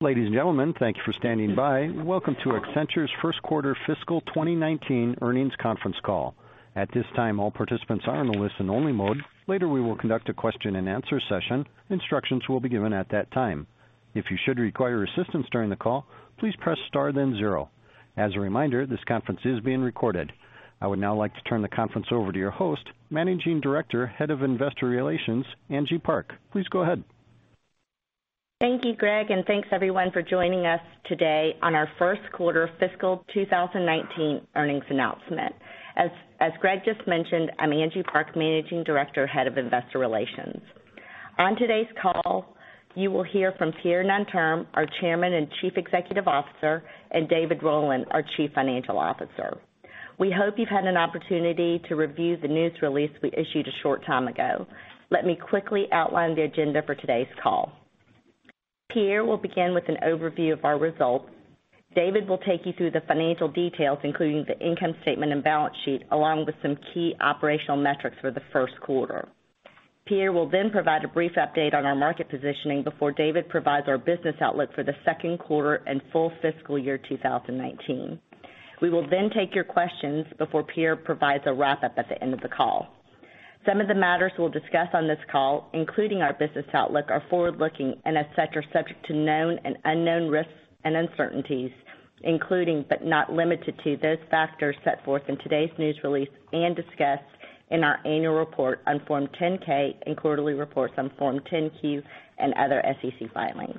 Ladies and gentlemen, thank you for standing by. Welcome to Accenture's first quarter fiscal 2019 earnings conference call. At this time, all participants are in a listen-only mode. Later, we will conduct a question-and-answer session. Instructions will be given at that time. If you should require assistance during the call, please press star then zero. As a reminder, this conference is being recorded. I would now like to turn the conference over to your host, Managing Director, Head of Investor Relations, Angie Park. Please go ahead. Thank you, Greg, and thanks everyone for joining us today on our first quarter fiscal 2019 earnings announcement. As Greg just mentioned, I'm Angie Park, Managing Director, Head of Investor Relations. On today's call, you will hear from Pierre Nanterme, our Chairman and Chief Executive Officer, and David Rowland, our Chief Financial Officer. We hope you've had an opportunity to review the news release we issued a short time ago. Let me quickly outline the agenda for today's call. Pierre will begin with an overview of our results. David will take you through the financial details, including the income statement and balance sheet, along with some key operational metrics for the first quarter. Pierre will then provide a brief update on our market positioning before David provides our business outlook for the second quarter and full fiscal year 2019. We will take your questions before Pierre provides a wrap-up at the end of the call. Some of the matters we'll discuss on this call, including our business outlook, are forward-looking and as such are subject to known and unknown risks and uncertainties, including but not limited to those factors set forth in today's news release and discussed in our annual report on Form 10-K and quarterly reports on Form 10-Q and other SEC filings.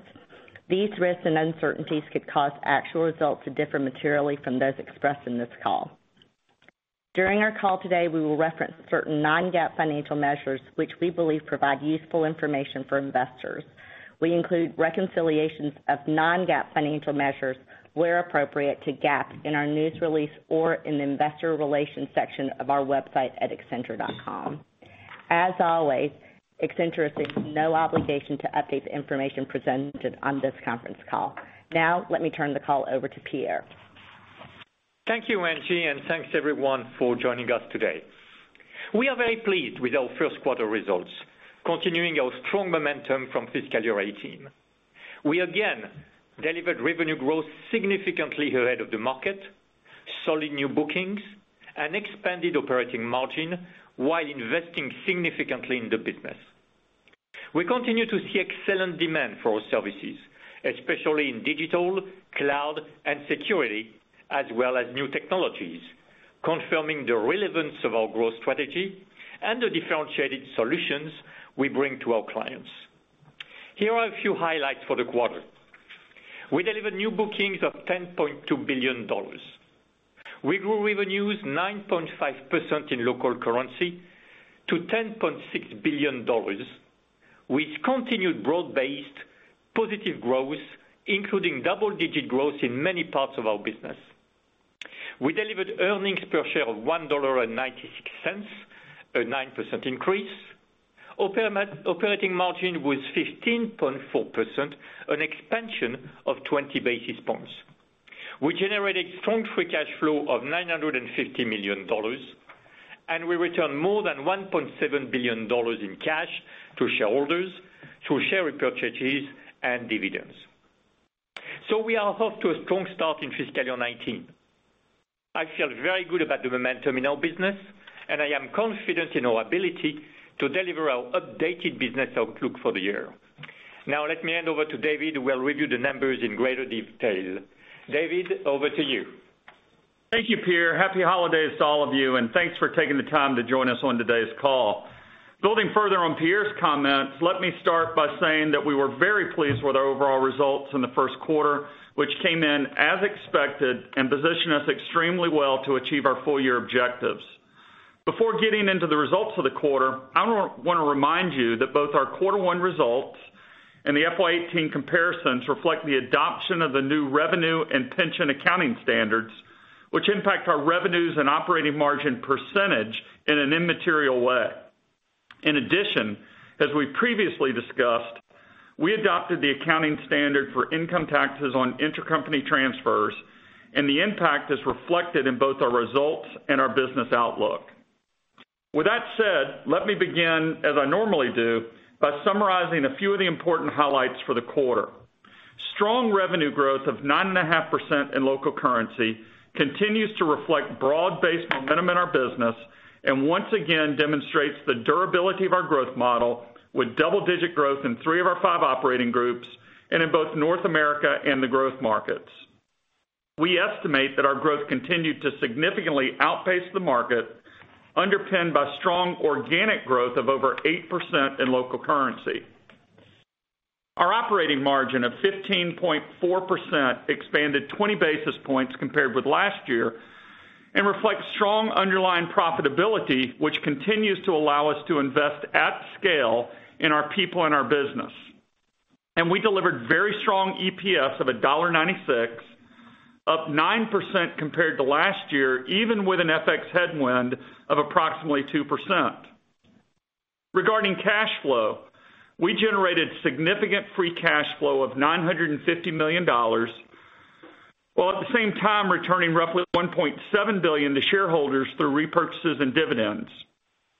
These risks and uncertainties could cause actual results to differ materially from those expressed in this call. During our call today, we will reference certain non-GAAP financial measures which we believe provide useful information for investors. We include reconciliations of non-GAAP financial measures where appropriate to GAAP in our news release or in the investor relations section of our website at accenture.com. As always, Accenture is at no obligation to update the information presented on this conference call. Now let me turn the call over to Pierre. Thank you, Angie, and thanks everyone for joining us today. We are very pleased with our first quarter results, continuing our strong momentum from fiscal year 2018. We again delivered revenue growth significantly ahead of the market, solid new bookings and expanded operating margin while investing significantly in the business. We continue to see excellent demand for our services, especially in digital, cloud and security, as well as new technologies, confirming the relevance of our growth strategy and the differentiated solutions we bring to our clients. Here are a few highlights for the quarter. We delivered new bookings of $10.2 billion. We grew revenues 9.5% in local currency to $10.6 billion. We continued broad-based positive growth, including double-digit growth in many parts of our business. We delivered earnings per share of $1.96, a 9% increase. Operating margin was 15.4%, an expansion of 20 basis points. We generated strong free cash flow of $950 million. We returned more than $1.7 billion in cash to shareholders through share repurchases and dividends. We are off to a strong start in fiscal year 2019. I feel very good about the momentum in our business, and I am confident in our ability to deliver our updated business outlook for the year. Now let me hand over to David, who will review the numbers in greater detail. David, over to you. Thank you, Pierre. Happy holidays to all of you, and thanks for taking the time to join us on today's call. Building further on Pierre's comments, let me start by saying that we were very pleased with our overall results in the first quarter, which came in as expected and position us extremely well to achieve our full year objectives. Before getting into the results for the quarter, I wanna remind you that both our quarter one results and the FY 2018 comparisons reflect the adoption of the New revenue and pension accounting standards, which impact our revenues and operating margin percentage in an immaterial way. In addition, as we previously discussed, we adopted the accounting standard for income taxes on intercompany transfers, and the impact is reflected in both our results and our business outlook. With that said, let me begin, as I normally do, by summarizing a few of the important highlights for the quarter. Strong revenue growth of 9.5% in local currency continues to reflect broad-based momentum in our business and once again demonstrates the durability of our growth model with double-digit growth in three of our five operating groups and in both North America and the growth markets. We estimate that our growth continued to significantly outpace the market, underpinned by strong organic growth of over 8% in local currency. Our operating margin of 15.4% expanded 20 basis points compared with last year and reflects strong underlying profitability which continues to allow us to invest at scale in our people and our business. We delivered very strong EPS of $1.96, up 9% compared to last year, even with an FX headwind of approximately 2%. Regarding cash flow, we generated significant free cash flow of $950 million, while at the same time returning roughly $1.7 billion to shareholders through repurchases and dividends.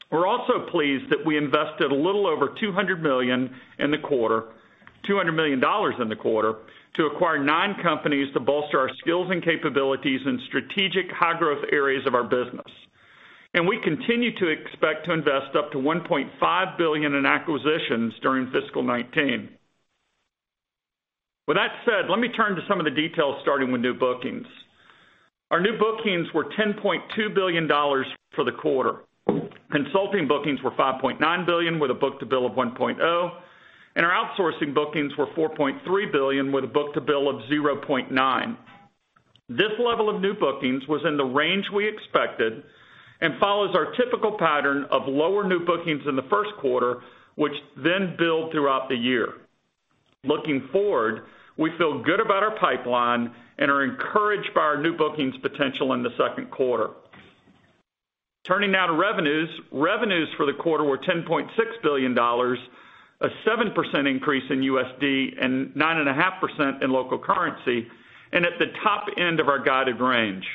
We're also pleased that we invested a little over $200 million in the quarter to acquire nine companies to bolster our skills and capabilities in strategic high-growth areas of our business. We continue to expect to invest up to $1.5 billion in acquisitions during fiscal 2019. With that said, let me turn to some of the details starting with new bookings. Our new bookings were $10.2 billion for the quarter. Consulting bookings were $5.9 billion with a book-to-bill of 1.0, and our outsourcing bookings were $4.3 billion with a book-to-bill of 0.9. This level of new bookings was in the range we expected and follows our typical pattern of lower new bookings in the 1st quarter, which then build throughout the year. Looking forward, we feel good about our pipeline and are encouraged by our new bookings potential in the second quarter. Turning now to revenues. Revenues for the quarter were $10.6 billion, a 7% increase in USD and 9.5% in local currency, and at the top end of our guided range.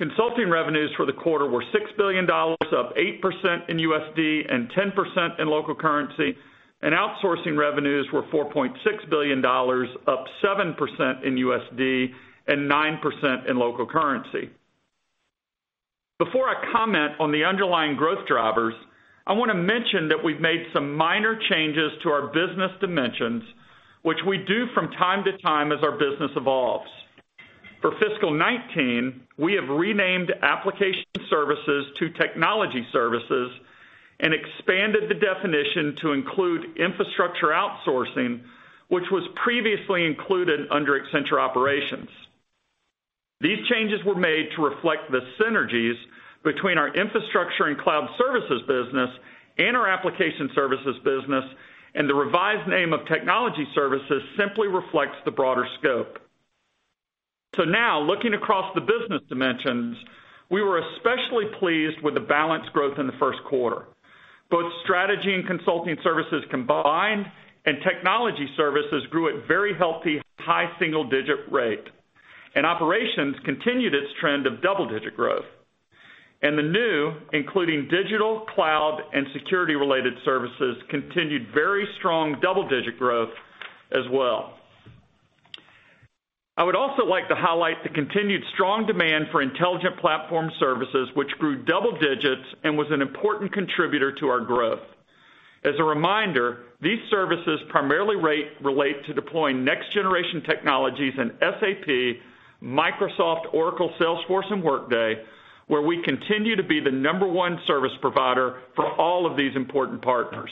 Consulting revenues for the quarter were $6 billion, up 8% in USD and 10% in local currency. Outsourcing revenues were $4.6 billion, up 7% in USD and 9% in local currency. Before I comment on the underlying growth drivers, I want to mention that we've made some minor changes to our business dimensions, which we do from time to time as our business evolves. For fiscal 2019, we have renamed Application Services to Technology Services and expanded the definition to include infrastructure outsourcing, which was previously included under Accenture Operations. These changes were made to reflect the synergies between our infrastructure and cloud services business and our Application Services business, and the revised name of Technology Services simply reflects the broader scope. Looking across the business dimensions, we were especially pleased with the balanced growth in the first quarter. Both Strategy and Consulting Services combined and Technology Services grew at very healthy high single-digit rate. Operations continued its trend of double-digit growth. The new, including digital, cloud, and security-related services, continued very strong double-digit growth as well. I would also like to highlight the continued strong demand for Intelligent Platform Services, which grew double digits and was an important contributor to our growth. As a reminder, these services primarily relate to deploying next-generation technologies in SAP, Microsoft, Oracle, Salesforce, and Workday, where we continue to be the number one service provider for all of these important partners.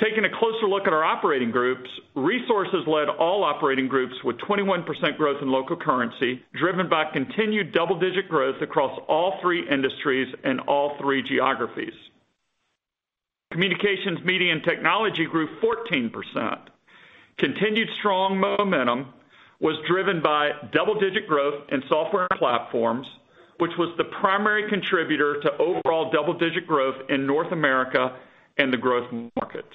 Taking a closer look at our operating groups, Resources led all operating groups with 21% growth in local currency, driven by continued double-digit growth across all three industries and all three geographies. Communications, Media & Technology grew 14%. Continued strong momentum was driven by double-digit growth in software and platforms, which was the primary contributor to overall double-digit growth in North America and the growth markets.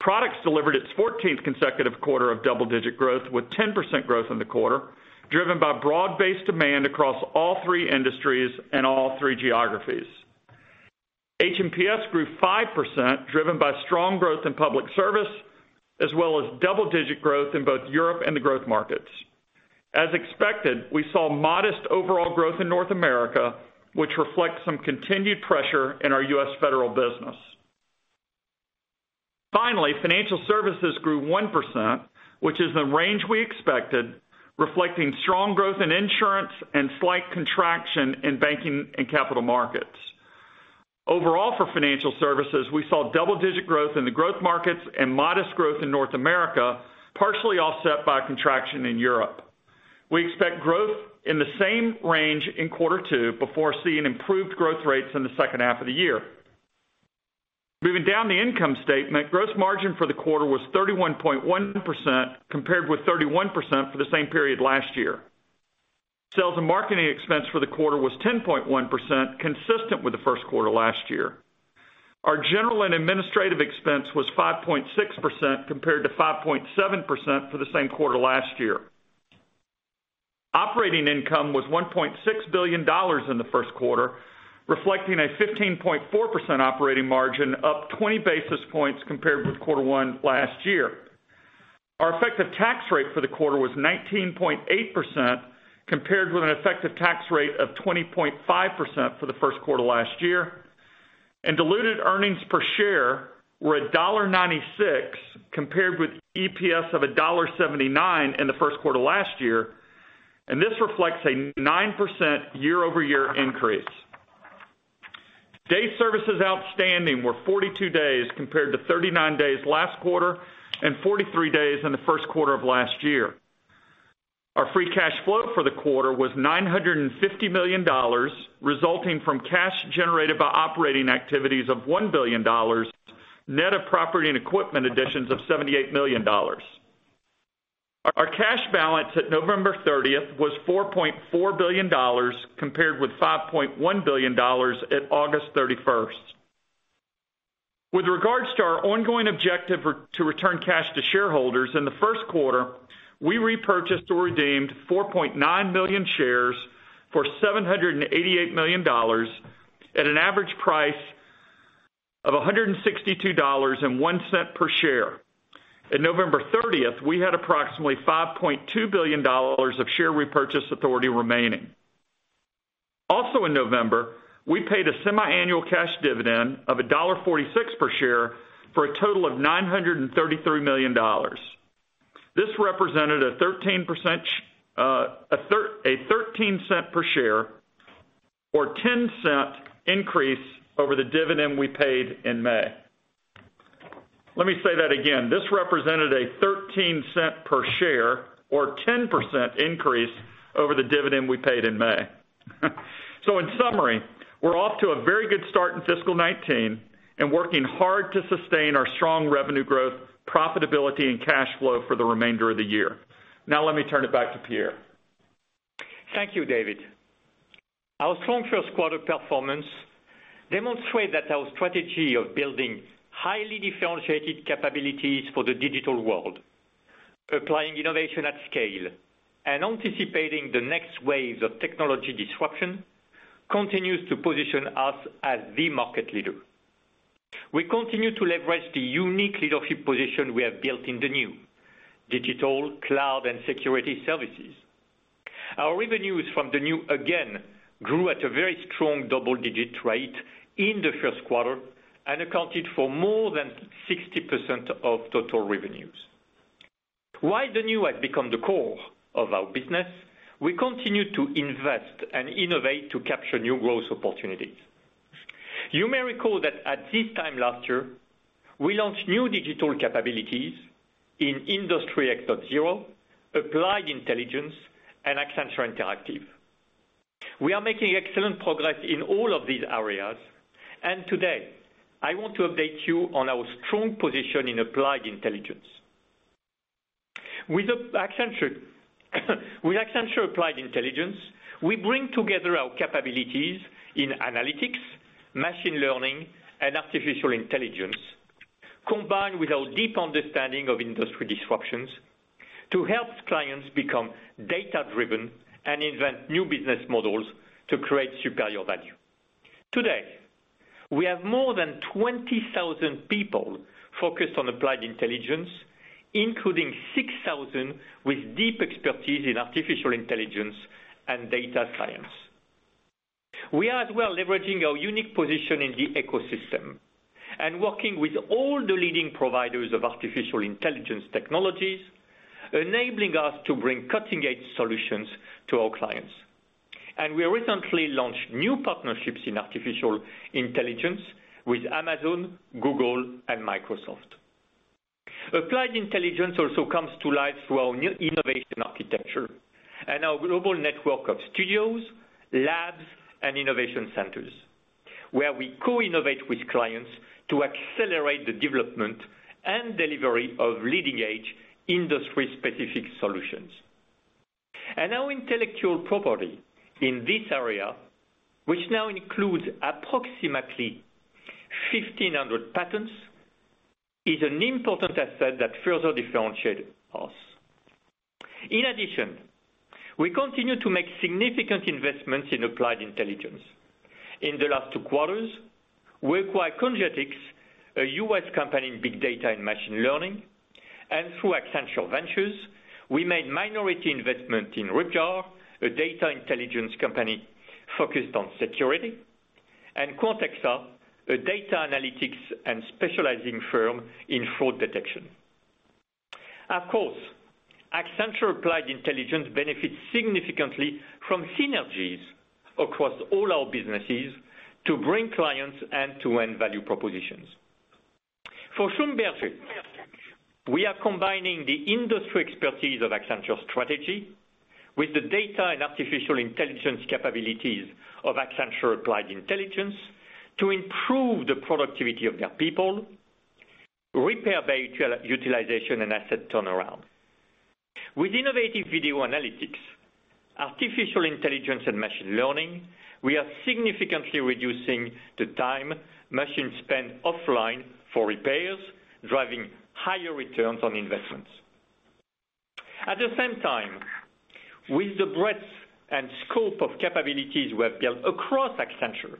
Products delivered its 14th consecutive quarter of double-digit growth with 10% growth in the quarter, driven by broad-based demand across all three industries and all three geographies. H&PS grew 5%, driven by strong growth in public service, as well as double-digit growth in both Europe and the growth markets. As expected, we saw modest overall growth in North America, which reflects some continued pressure in our US federal business. Finally, Financial Services grew 1%, which is the range we expected, reflecting strong growth in insurance and slight contraction in banking and capital markets. Overall, for Financial Services, we saw double-digit growth in the growth markets and modest growth in North America, partially offset by contraction in Europe. We expect growth in the same range in quarter two before seeing improved growth rates in the second half of the year. Moving down the income statement, gross margin for the quarter was 31.1% compared with 31% for the same period last year. Sales and marketing expense for the quarter was 10.1%, consistent with the first quarter last year. Our general and administrative expense was 5.6% compared to 5.7% for the same quarter last year. Operating income was $1.6 billion in the first quarter, reflecting a 15.4% operating margin, up 20 basis points compared with quarter one last year. Our effective tax rate for the quarter was 19.8% compared with an effective tax rate of 20.5% for the first quarter last year. Diluted earnings per share were $1.96 compared with EPS of $1.79 in the first quarter last year. This reflects a 9% year-over-year increase. Days Sales Outstanding were 42 days compared to 39 days last quarter and 43 days in the first quarter of last year. Our free cash flow for the quarter was $950 million, resulting from cash generated by operating activities of $1 billion, net of property and equipment additions of $78 million. Our cash balance at November 30th was $4.4 billion compared with $5.1 billion at August 31st. With regards to our ongoing objective to return cash to shareholders, in the first quarter, we repurchased or redeemed 4.9 million shares for $788 million at an average price of $162.01 per share. In November 30th, we had approximately $5.2 billion of share repurchase authority remaining. Also, in November, we paid a semiannual cash dividend of $1.46 per share for a total of $933 million. This represented a $0.13 per share or $0.10 increase over the dividend we paid in May. Let me say that again. This represented a $0.13 per share or 10% increase over the dividend we paid in May. In summary, we're off to a very good start in fiscal 2019 and working hard to sustain our strong revenue growth, profitability, and cash flow for the remainder of the year. Let me turn it back to Pierre. Thank you, David. Our strong first quarter performance demonstrate that our strategy of building highly differentiated capabilities for the digital world, applying innovation at scale, and anticipating the next waves of technology disruption continues to position us as the market leader. We continue to leverage the unique leadership position we have built in the new digital cloud and security services. Our revenues from the new again grew at a very strong double-digit rate in the first quarter and accounted for more than 60% of total revenues. While the new has become the core of our business, we continue to invest and innovate to capture new growth opportunities. You may recall that at this time last year, we launched new digital capabilities in Industry X.0, Applied Intelligence, and Accenture Interactive. We are making excellent progress in all of these areas, today I want to update you on our strong position in Applied Intelligence. With Accenture Applied Intelligence, we bring together our capabilities in analytics, machine learning, and artificial intelligence, combined with our deep understanding of industry disruptions to help clients become data-driven and invent new business models to create superior value. Today, we have more than 20,000 people focused on Applied Intelligence, including 6,000 people with deep expertise in artificial intelligence and data science. We are as well leveraging our unique position in the ecosystem and working with all the leading providers of artificial intelligence technologies, enabling us to bring cutting-edge solutions to our clients. We recently launched new partnerships in artificial intelligence with Amazon, Google, and Microsoft. Applied Intelligence also comes to life through our new innovation architecture and our global network of studios, labs, and innovation centers, where we co-innovate with clients to accelerate the development and delivery of leading-edge industry-specific solutions. Our intellectual property in this area, which now includes approximately 1,500 patents, is an important asset that further differentiate us. In addition, we continue to make significant investments in Applied Intelligence. In the last two quarters, we acquired Kogentix, a US company in big data and machine learning, and through Accenture Ventures, we made minority investment in Ripjar, a data intelligence company focused on security, and Quantexa, a data analytics and specializing firm in fraud detection. Of course, Accenture Applied Intelligence benefits significantly from synergies across all our businesses to bring clients end-to-end value propositions. For Schlumberger, we are combining the industry expertise of Accenture Strategy with the data and artificial intelligence capabilities of Accenture Applied Intelligence to improve the productivity of their people, repair bay utilization, and asset turnaround. With innovative video analytics, artificial intelligence, and machine learning, we are significantly reducing the time machines spend offline for repairs, driving higher returns on investments. At the same time, with the breadth and scope of capabilities we have built across Accenture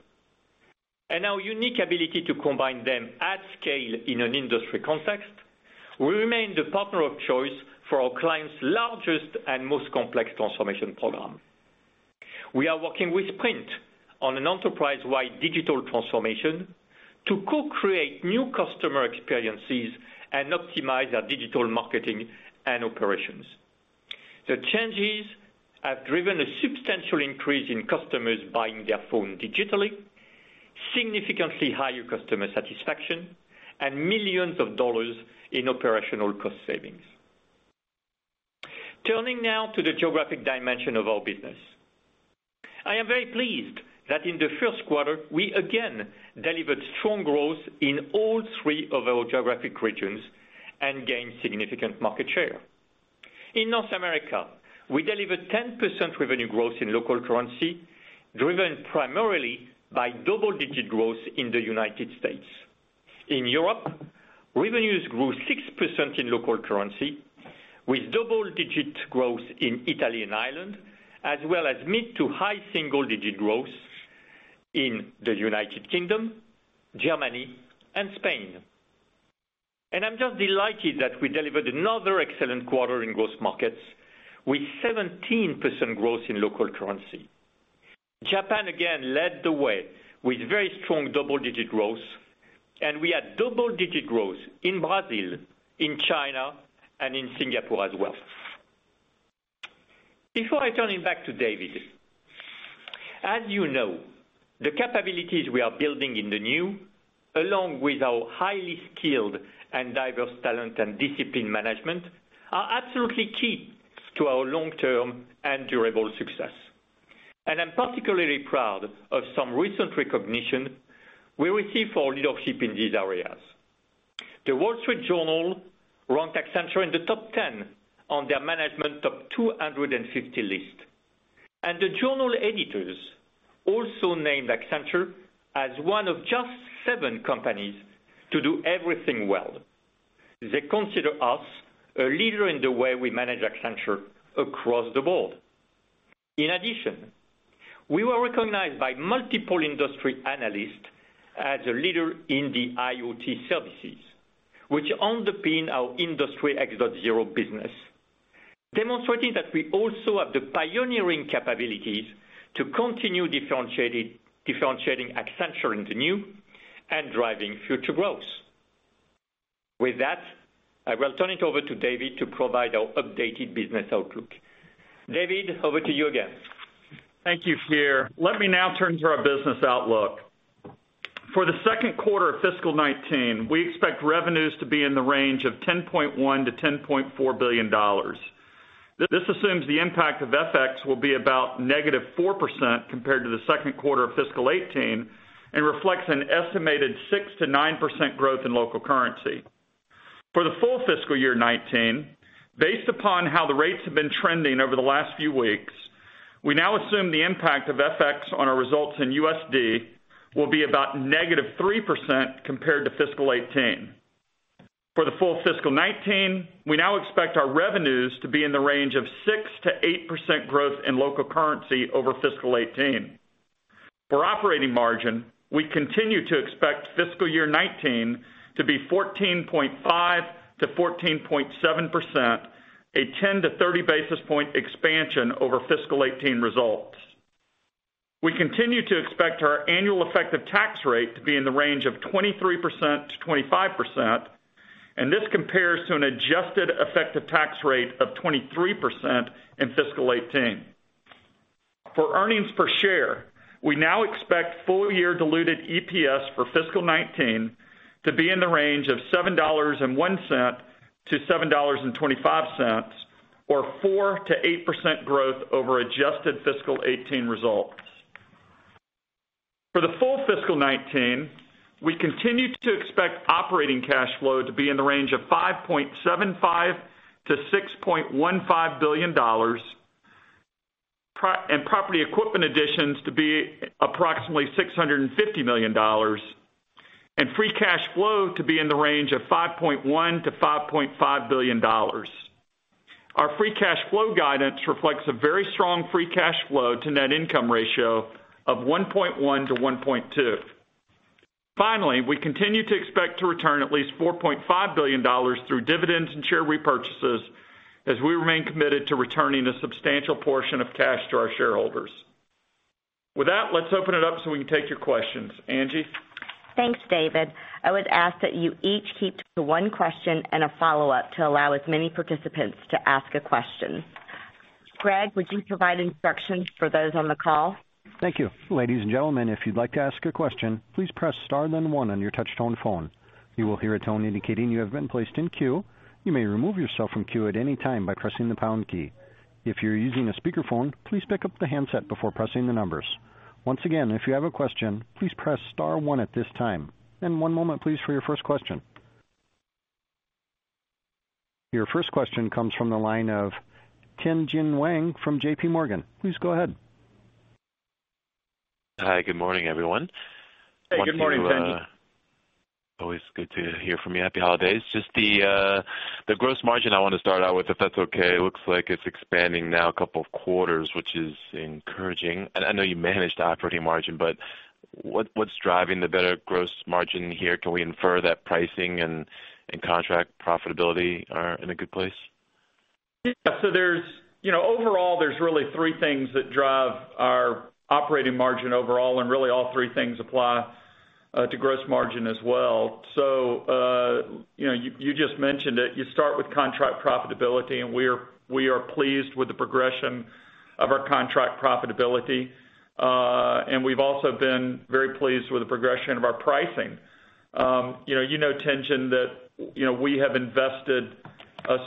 and our unique ability to combine them at scale in an industry context, we remain the partner of choice for our clients' largest and most complex transformation program. We are working with Sprint on an enterprise-wide digital transformation to co-create new customer experiences and optimize their digital marketing and operations. The changes have driven a substantial increase in customers buying their phone digitally, significantly higher customer satisfaction, and millions of dollars in operational cost savings. Turning now to the geographic dimension of our business. I am very pleased that in the first quarter, we again delivered strong growth in all three of our geographic regions and gained significant market share. In North America, we delivered 10% revenue growth in local currency, driven primarily by double-digit growth in the U.S. In Europe, revenues grew 6% in local currency with double-digit growth in Italy and Ireland, as well as mid to high single-digit growth in the U.K., Germany, and Spain. I'm just delighted that we delivered another excellent quarter in growth markets with 17% growth in local currency. Japan again led the way with very strong double-digit growth, and we had double-digit growth in Brazil, in China, and in Singapore as well. Before I turn it back to David, as you know, the capabilities we are building in the new, along with our highly skilled and diverse talent and discipline management, are absolutely key to our long-term and durable success. I'm particularly proud of some recent recognition we received for leadership in these areas. The Wall Street Journal ranked Accenture in the top 10 on their Management Top 250 list. The journal editors also named Accenture as one of just seven companies to do everything well. They consider us a leader in the way we manage Accenture across the board. In addition, we were recognized by multiple industry analysts as a leader in the IoT services, which underpin our Industry X.0 business, demonstrating that we also have the pioneering capabilities to continue differentiating Accenture in the new and driving future growth. With that, I will turn it over to David to provide our updated business outlook. David, over to you again. Thank you, Pierre. Let me now turn to our business outlook. For the second quarter of fiscal 2019, we expect revenues to be in the range of $10.1 billion-$10.4 billion. This assumes the impact of FX will be about -4% compared to the second quarter of fiscal 2018 and reflects an estimated 6%-9% growth in local currency. For the full fiscal year 2019, based upon how the rates have been trending over the last few weeks, we now assume the impact of FX on our results in USD will be about -3% compared to fiscal 2018. For the full fiscal 2019, we now expect our revenues to be in the range of 6%-8% growth in local currency over fiscal 2018. For operating margin, we continue to expect fiscal year 2019 to be 14.5%-14.7%, a 10 basis points-30 basis point expansion over fiscal 2018 results. We continue to expect our annual effective tax rate to be in the range of 23%-25%. This compares to an adjusted effective tax rate of 23% in fiscal 2018. For earnings per share, we now expect full-year diluted EPS for FY 2019 to be in the range of $7.01-$7.25, or 4%-8% growth over adjusted fiscal 2018 results. For the full fiscal 2019, we continue to expect operating cash flow to be in the range of $5.75 billion-$6.15 billion, and property equipment additions to be approximately $650 million, and free cash flow to be in the range of $5.1 billion-$5.5 billion. Our free cash flow guidance reflects a very strong free cash flow to net income ratio of 1.1-1.2. Finally, we continue to expect to return at least $4.5 billion through dividends and share repurchases as we remain committed to returning a substantial portion of cash to our shareholders. With that, let's open it up so we can take your questions. Angie? Thanks, David. I would ask that you each keep to one question and a follow-up to allow as many participants to ask a question. Greg, would you provide instructions for those on the call? Thank you, ladies and gentlemen. If you would like to ask a question, please press star then one on your touchtone phone. You will hear a tone indicating you have been placed in queue. You may remove yourself from the queue at anytime by pressing the pound key. If you're using a speakerphone, please pick up the handset before pressing the numbers. Once again, if you have a question, please press star one at this time. And one moment, please, for your first question. Your first question comes from the line of Tien-Tsin Huang from JPMorgan. Please go ahead. Hi, good morning, everyone. Hey, good morning, Tien-Tsin. Always good to hear from you. Happy holidays. The gross margin I want to start out with, if that's okay. It looks like it's expanding now a couple of quarters, which is encouraging. I know you managed operating margin, but what's driving the better gross margin here? Can we infer that pricing and contract profitability are in a good place? There's, you know, overall, there's really three things that drive our operating margin overall, and really all three things apply to gross margin as well. You know, you just mentioned it. You start with contract profitability, and we are pleased with the progression of our contract profitability. We've also been very pleased with the progression of our pricing. You know, you know, Tien-Tsin, that, you know, we have invested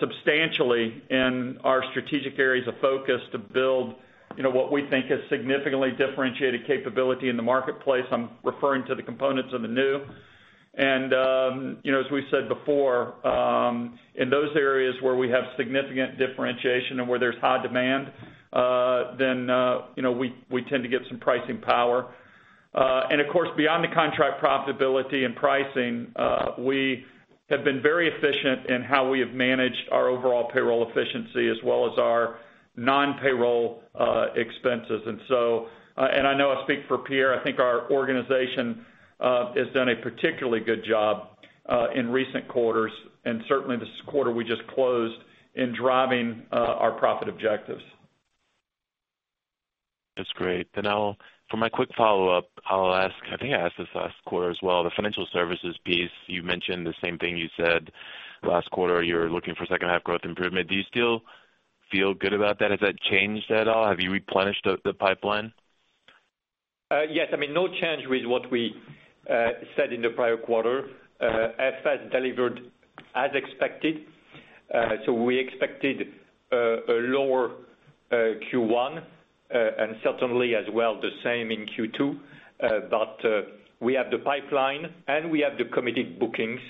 substantially in our strategic areas of focus to build, you know, what we think is significantly differentiated capability in the marketplace. I'm referring to the components of the New. You know, as we said before, in those areas where we have significant differentiation and where there's high demand, you know, we tend to get some pricing power. Of course, beyond the contract profitability and pricing, we have been very efficient in how we have managed our overall payroll efficiency as well as our non-payroll expenses. I know I speak for Pierre, I think our organization has done a particularly good job in recent quarters, and certainly this quarter we just closed in driving our profit objectives. That's great. For my quick follow-up, I'll ask, I think I asked this last quarter as well, the financial services piece, you mentioned the same thing you said last quarter, you're looking for second half growth improvement. Do you still feel good about that? Has that changed at all? Have you replenished the pipeline? Yes. I mean, no change with what we said in the prior quarter. FS delivered as expected. We expected a lower Q1, and certainly as well the same in Q2. We have the pipeline and we have the committed bookings,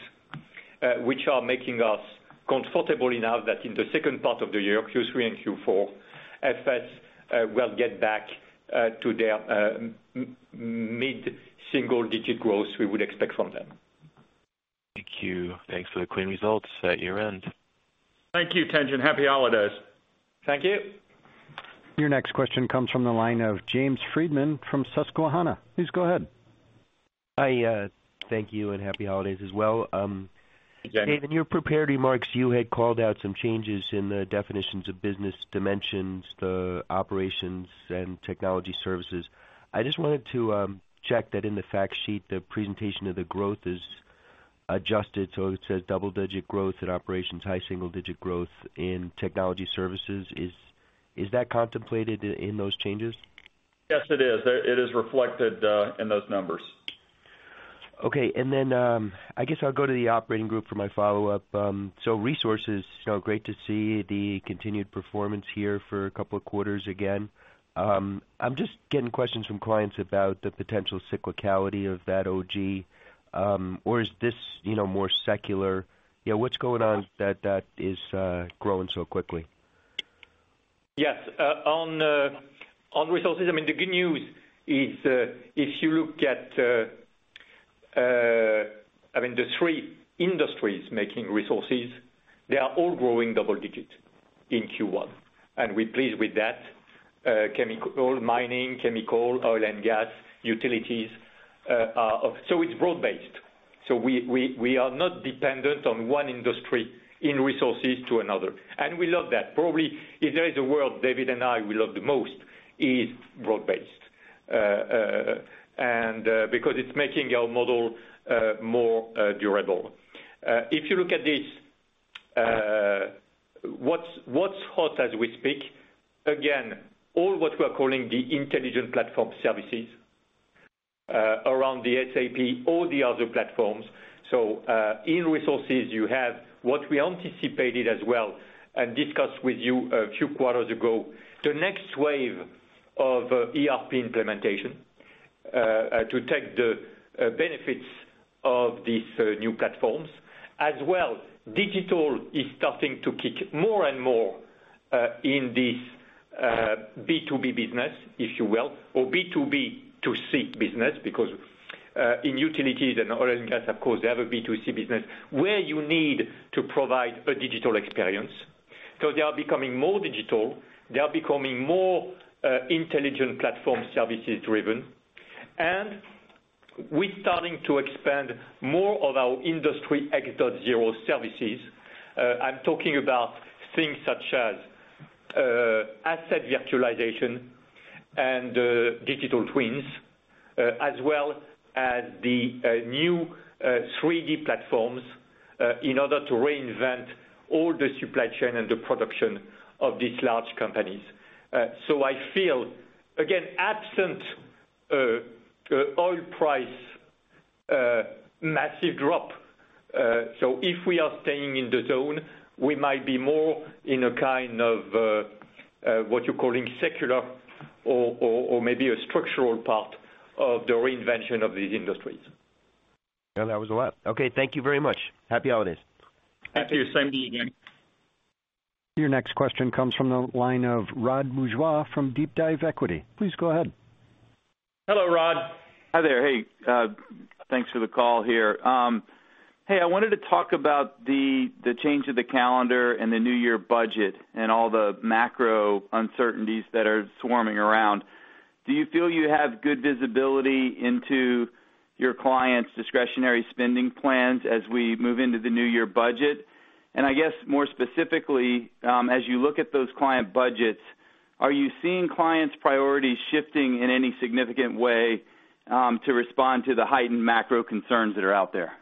which are making us comfortable enough that in the second part of the year, Q3 and Q4, FS will get back to their mid single digit growth we would expect from them. Thank you. Thanks for the clean results at year-end. Thank you, Tien-Tsin. Happy holidays. Thank you. Your next question comes from the line of James Friedman from Susquehanna. Please go ahead. Hi, thank you, and happy holidays as well. Thank you. David, in your prepared remarks, you had called out some changes in the definitions of business dimensions, the Operations and Technology Services. I just wanted to check that in the fact sheet, the presentation of the growth is adjusted. It says double-digit growth in Operations, high single digit growth in Technology Services. Is that contemplated in those changes? Yes, it is. It is reflected in those numbers. Okay. I guess I'll go to the operating group for my follow-up. Resources, you know, great to see the continued performance here for a couple of quarters again. I'm just getting questions from clients about the potential cyclicality of that OG. Is this, you know, more secular? You know, what's going on that is growing so quickly? Yes. On Resources, the good news is, if you look at, the three industries making Resources, they are all growing double digits in Q1. We're pleased with that. Chemical mining, chemical oil and gas, utilities, it's broad-based. We are not dependent on one industry in Resources to another. We love that. Probably if there is a word David and I love the most, is broad-based. Because it's making our model more durable. If you look at this, what's hot as we speak, again, all what we are calling the Intelligent Platform Services, around the SAP or the other platforms. In Resources you have what we anticipated as well and discussed with you a few quarters ago, the next wave of ERP implementation to take the benefits of these new platforms. Digital is starting to kick more and more in this B2B business, if you will, or B2B2C business because in utilities and oil and gas, of course, they have a B2C business where you need to provide a digital experience. They are becoming more digital. They are becoming more Intelligent Platform Services driven. We're starting to expand more of our Industry X.0 services. I'm talking about things such as asset virtualization and digital twins, as well as the new 3D platforms in order to reinvent all the supply chain and the production of these large companies. I feel, again, absent, oil price, massive drop, so if we are staying in the zone, we might be more in a kind of, what you're calling secular or maybe a structural part of the reinvention of these industries. Yeah, that was a lot. Okay, thank you very much. Happy holidays. Happy same to you, James. Your next question comes from the line of Rod Bourgeois from DeepDive Equity Research. Please go ahead. Hello, Rod. Hi there. Hey, thanks for the call here. Hey, I wanted to talk about the change of the calendar and the new year budget and all the macro uncertainties that are swarming around. Do you feel you have good visibility into your clients' discretionary spending plans as we move into the new year budget? I guess more specifically, as you look at those client budgets, are you seeing clients' priorities shifting in any significant way to respond to the heightened macro concerns that are out there?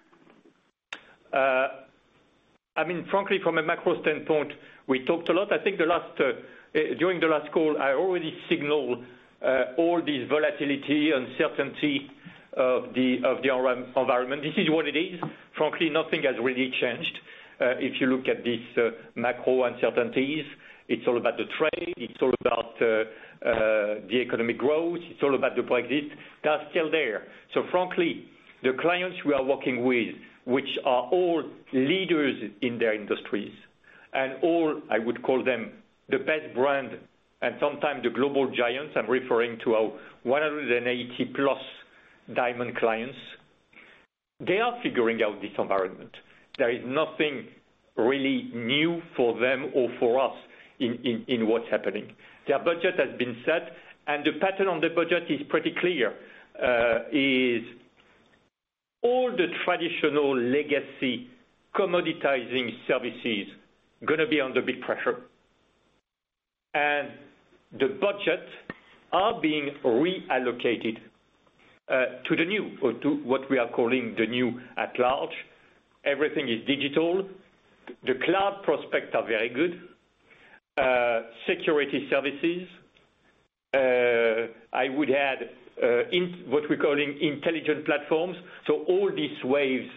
I mean, frankly, from a macro standpoint, we talked a lot. I think the last, during the last call, I already signaled all these volatility, uncertainty of the environment. This is what it is. Frankly, nothing has really changed. If you look at these macro uncertainties, it's all about the trade, it's all about the economic growth, it's all about the Brexit. That's still there. Frankly, the clients we are working with, which are all leaders in their industries and all, I would call them the best brand and sometimes the global giants, I'm referring to our 180+ diamond clients, they are figuring out this environment. There is nothing really new for them or for us in what's happening. Their budget has been set, and the pattern on the budget is pretty clear. Is all the traditional legacy commoditizing services gonna be under big pressure? The budget are being reallocated to the new or to what we are calling the new at large. Everything is digital. The cloud prospects are very good. Security services, I would add, in what we're calling intelligent platforms. All these waves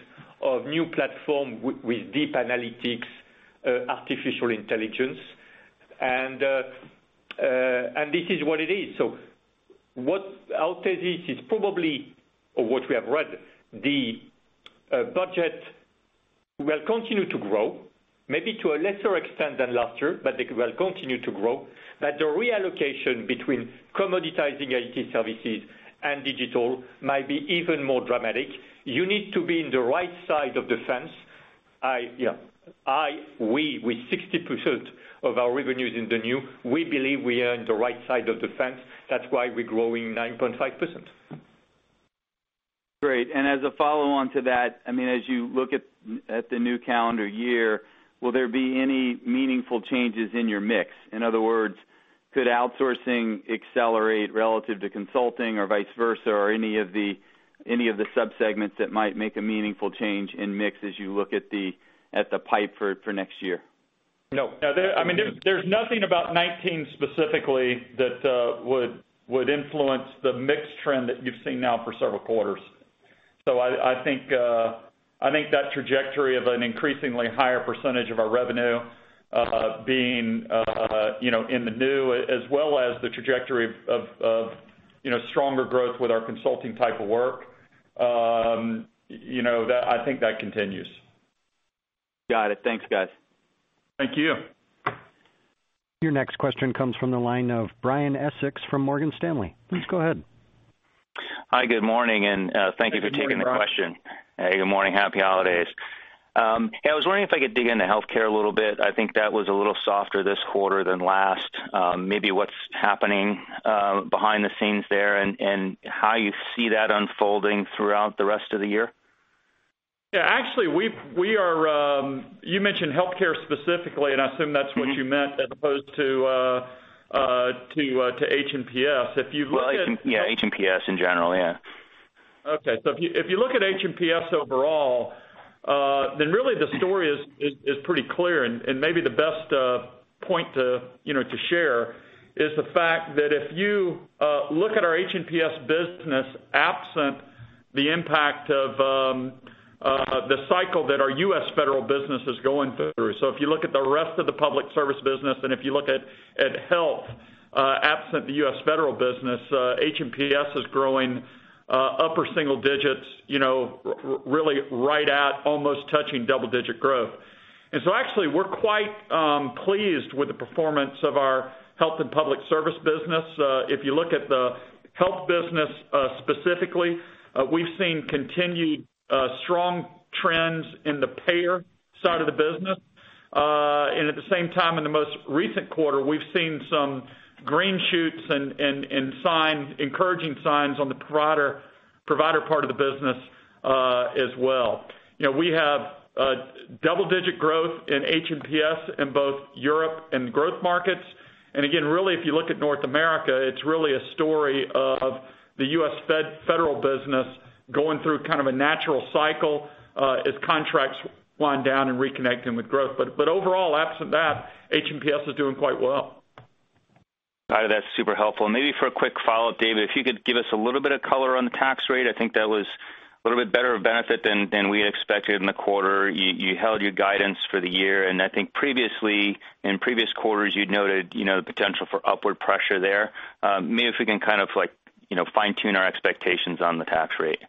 of new platform with deep analytics, artificial intelligence, and this is what it is. What I'll say this is probably what we have read, the budget will continue to grow, maybe to a lesser extent than last year, but they will continue to grow. That the reallocation between commoditizing IT services and digital might be even more dramatic. You need to be in the right side of the fence. We, with 60% of our revenues in the new, we believe we are in the right side of the fence. That's why we're growing 9.5%. As a follow-on to that, I mean, as you look at the new calendar year, will there be any meaningful changes in your mix? In other words, could outsourcing accelerate relative to consulting or vice versa, or any of the sub-segments that might make a meaningful change in mix as you look at the pipe for next year? No. I mean, there's nothing about 2019 specifically that would influence the mix trend that you've seen now for several quarters. I think, I think that trajectory of an increasingly higher percentage of our revenue, being, you know, in the new as well as the trajectory of, you know, stronger growth with our consulting type of work, you know, I think that continues. Got it. Thanks, guys. Thank you. Your next question comes from the line of Brian Essex from Morgan Stanley. Please go ahead. Hi, good morning. Thank you for taking the question. Good morning, Brian. Good morning. Happy holidays. I was wondering if I could dig into healthcare a little bit. I think that was a little softer this quarter than last. Maybe what's happening behind the scenes there and how you see that unfolding throughout the rest of the year. Yeah, actually we are. You mentioned healthcare specifically, and I assume that's what you meant as opposed to H&PS. If you look at- Well, yeah, H&PS in general. Yeah. If you, if you look at H&PS overall, then really the story is pretty clear. Maybe the best point to, you know, to share is the fact that if you look at our H&PS business absent the impact of the cycle that our US federal business is going through. If you look at the rest of the public service business, and if you look at health, absent the US federal business, H&PS is growing upper single digits, you know, really right at almost touching double-digit growth. Actually, we're quite pleased with the performance of our Health and Public Service business. If you look at the health business, specifically, we've seen continued strong trends in the payer side of the business. At the same time, in the most recent quarter, we've seen some green shoots and signs, encouraging signs on the provider part of the business as well. You know, we have double-digit growth in H&PS in both Europe and growth markets. Again, really, if you look at North America, it's really a story of the US federal business going through kind of a natural cycle as contracts wind down and reconnecting with growth. Overall, absent that, H&PS is doing quite well. Got it. That's super helpful. For a quick follow-up, David, if you could give us a little bit of color on the tax rate. I think that was a little bit better of benefit than we had expected in the quarter. You held your guidance for the year, and I think previously, in previous quarters, you'd noted, you know, the potential for upward pressure there. If we can kind of like, you know, fine-tune our expectations on the tax rate.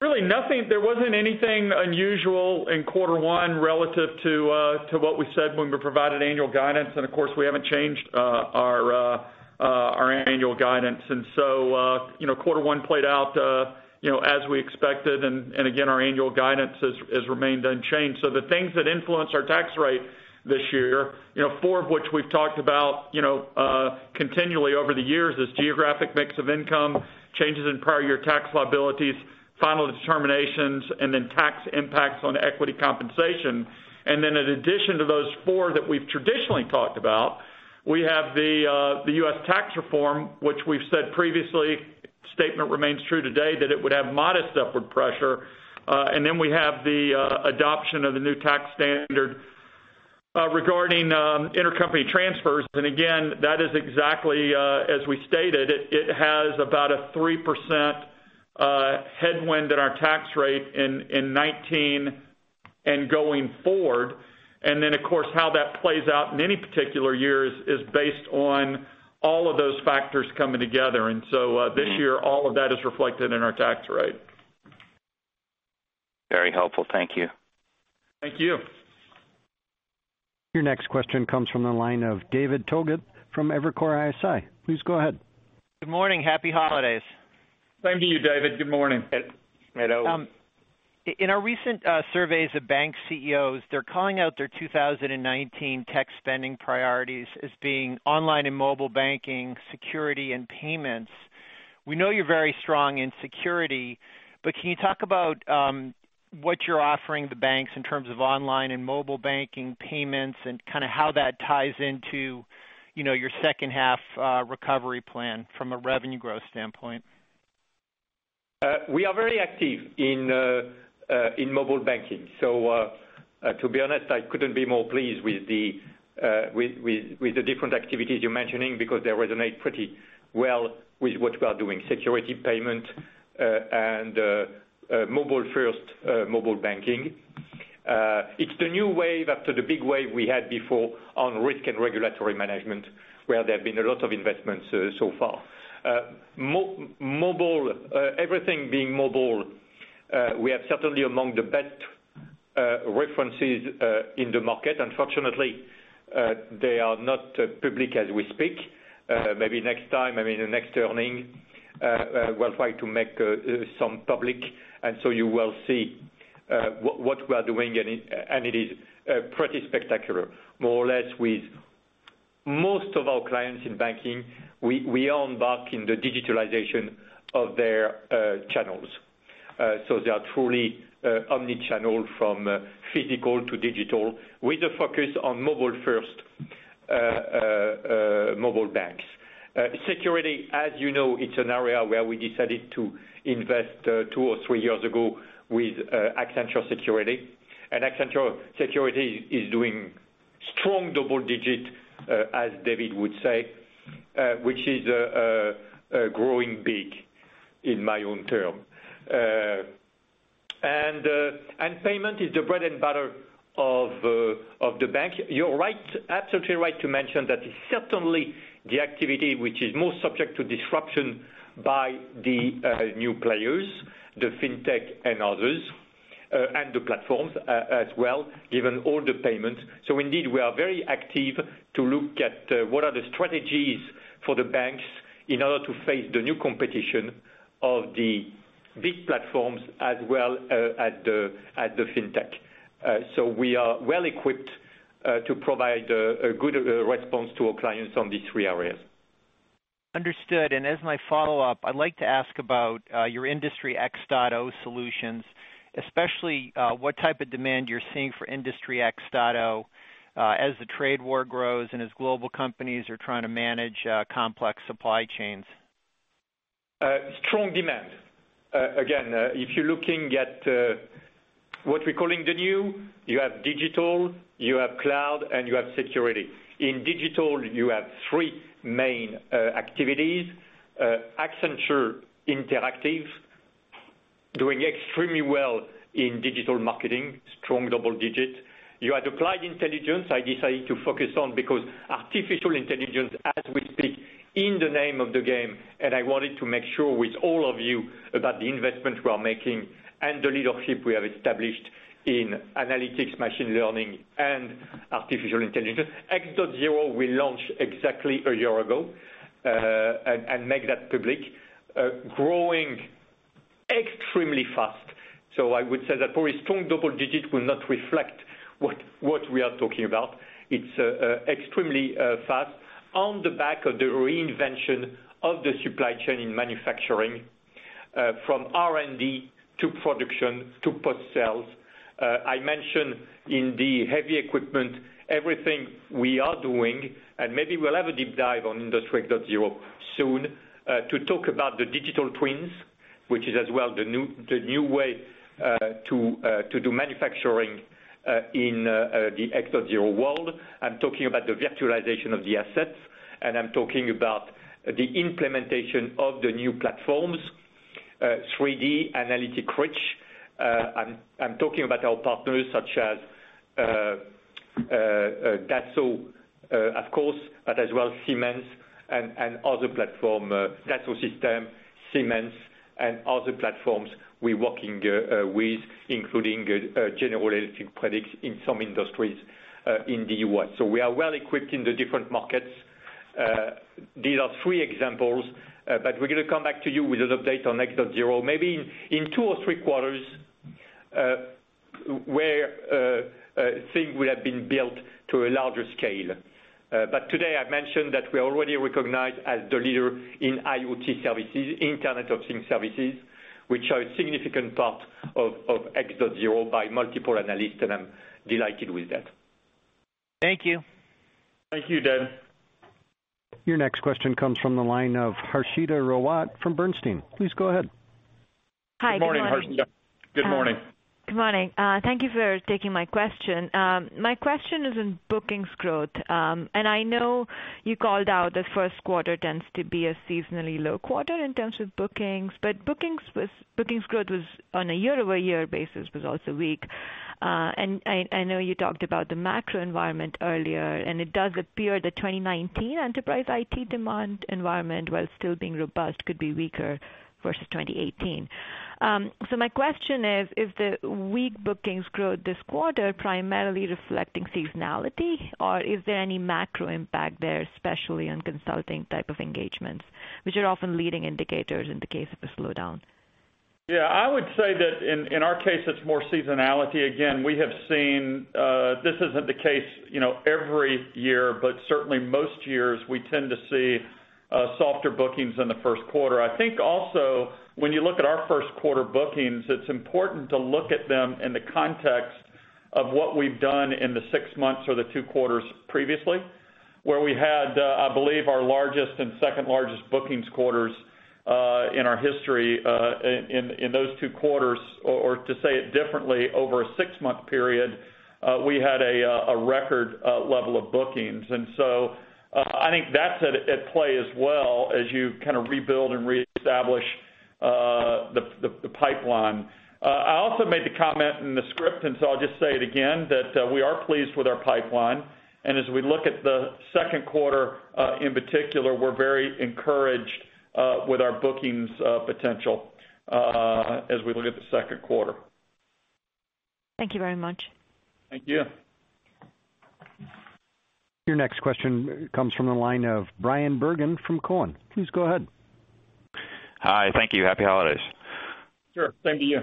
Really nothing. There wasn't anything unusual in quarter one relative to what we said when we provided annual guidance, and of course, we haven't changed our annual guidance. you know, quarter one played out, you know, as we expected, and again, our annual guidance has remained unchanged. The things that influence our tax rate this year, you know, four of which we've talked about, you know, continually over the years, is geographic mix of income, changes in prior year tax liabilities, final determinations, and then tax impacts on equity compensation. In addition to those four that we've traditionally talked about, we have the US tax reform, which we've said previously. Statement remains true today that it would have modest upward pressure. We have the adoption of the new tax standard regarding intercompany transfers. Again, that is exactly as we stated it has about a 3% headwind in our tax rate in 2019 and going forward. Then of course, how that plays out in any particular years is based on all of those factors coming together. This year, all of that is reflected in our tax rate. Very helpful. Thank you. Thank you. Your next question comes from the line of David Togut from Evercore ISI. Please go ahead. Good morning. Happy holidays. Same to you, David. Good morning. Righto. In our recent surveys of bank CEOs, they're calling out their 2019 tech spending priorities as being online and mobile banking, security, and payments. We know you're very strong in security, but can you talk about what you're offering the banks in terms of online and mobile banking payments and kinda how that ties into, you know, your second half recovery plan from a revenue growth standpoint? We are very active in mobile banking. To be honest, I couldn't be more pleased with the different activities you're mentioning because they resonate pretty well with what we are doing. Security payment, and mobile first, mobile banking. It's the new wave after the big wave we had before on risk and regulatory management, where there have been a lot of investments so far. Everything being mobile, we are certainly among the best references in the market. Unfortunately, they are not public as we speak. Maybe next time, I mean, the next earning, we'll try to make some public, and so you will see what we are doing, and it is pretty spectacular. More or less with most of our clients in banking, we are embarking the digitalization of their channels. They are truly omni-channel from physical to digital with a focus on mobile first mobile banks. Security, as you know, it's an area where we decided to invest two or three years ago with Accenture Security. Accenture Security is doing strong double-digit, as David would say, which is growing big in my own term. Payment is the bread and butter of the bank. You're right, absolutely right to mention that it's certainly the activity which is most subject to disruption by the new players, the fintech and others, and the platforms as well, given all the payments. Indeed, we are very active to look at what are the strategies for the banks in order to face the new competition of the big platforms as well at the fintech. We are well equipped to provide a good response to our clients on these three areas. Understood. As my follow-up, I'd like to ask about your Industry X.0 solutions, especially what type of demand you're seeing for Industry X.0 as the trade war grows and as global companies are trying to manage complex supply chains? Strong demand. Again, if you're looking at what we're calling the new, you have digital, you have cloud, and you have security. In digital, you have three main activities. Accenture Interactive doing extremely well in digital marketing, strong double digits. You had Applied Intelligence, I decided to focus on because artificial intelligence as we speak in the name of the game, and I wanted to make sure with all of you about the investment we are making and the leadership we have established in analytics, machine learning, and artificial intelligence. X.0 we launched exactly a year ago, and make that public. Growing extremely fast. I would say that probably strong double digits will not reflect what we are talking about. It's extremely fast on the back of the reinvention of the supply chain in manufacturing, from R&D to production to post-sales. I mentioned in the heavy equipment, everything we are doing, and maybe we'll have a deep dive on Industry X.0 soon, to talk about the digital twins, which is as well the new way to do manufacturing in the X.0 world. I'm talking about the virtualization of the assets, and I'm talking about the implementation of the new platforms, 3-D analytic rich. I'm talking about our partners such as Dassault, of course, but as well Siemens and other platform, Dassault Systèmes, Siemens, and other platforms we're working with, including General Electric products in some industries in the U.S. We are well equipped in the different markets. These are three examples, but we're gonna come back to you with an update on X.0 maybe in two or three quarters, where things will have been built to a larger scale. Today I've mentioned that we are already recognized as the leader in IoT services, Internet of Things services, which are a significant part of X.0 by multiple analysts, and I'm delighted with that. Thank you. Thank you, David. Your next question comes from the line of Harshita Rawat from Bernstein. Please go ahead. Hi, good morning. Good morning, Harshita. Good morning. Good morning. Thank you for taking my question. My question is on bookings growth. I know you called out the first quarter tends to be a seasonally low quarter in terms of bookings. Bookings growth was on a year-over-year basis was also weak. I know you talked about the macro environment earlier, and it does appear the 2019 enterprise IT demand environment, while still being robust, could be weaker versus 2018. My question is the weak bookings growth this quarter primarily reflecting seasonality or is there any macro impact there, especially on consulting type of engagements, which are often leading indicators in the case of a slowdown? Yeah, I would say that in our case, it's more seasonality. Again, we have seen, this isn't the case, you know, every year, but certainly most years we tend to see, softer bookings in the first quarter. I think also when you look at our first quarter bookings, it's important to look at them in the context of what we've done in the six months or the two quarters previously, where we had, I believe our largest and second-largest bookings quarters, in our history, in those two quarters, or to say it differently, over a six-month period, we had a record, level of bookings. I think that's at play as well as you kind of rebuild and reestablish, the pipeline. I also made the comment in the script, and so I'll just say it again, that we are pleased with our pipeline. As we look at the second quarter, in particular, we're very encouraged with our bookings potential as we look at the second quarter. Thank you very much. Thank you. Your next question comes from the line of Bryan Bergin from Cowen. Please go ahead. Hi. Thank you. Happy holidays. Sure. Same to you.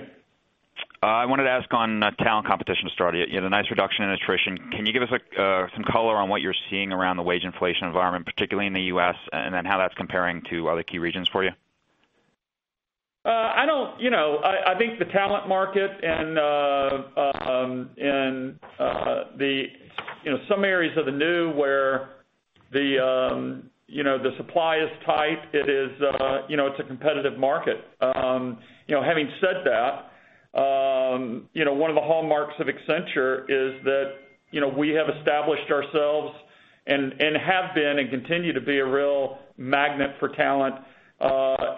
I wanted to ask on talent competition to start. You had a nice reduction in attrition. Can you give us, like, some color on what you're seeing around the wage inflation environment, particularly in the U.S., and then how that's comparing to other key regions for you? I don't You know, I think the talent market and the, you know, some areas of the new where the, you know, the supply is tight, it is, you know, it's a competitive market. You know, having said that, you know, one of the hallmarks of Accenture is that, you know, we have established ourselves and have been and continue to be a real magnet for talent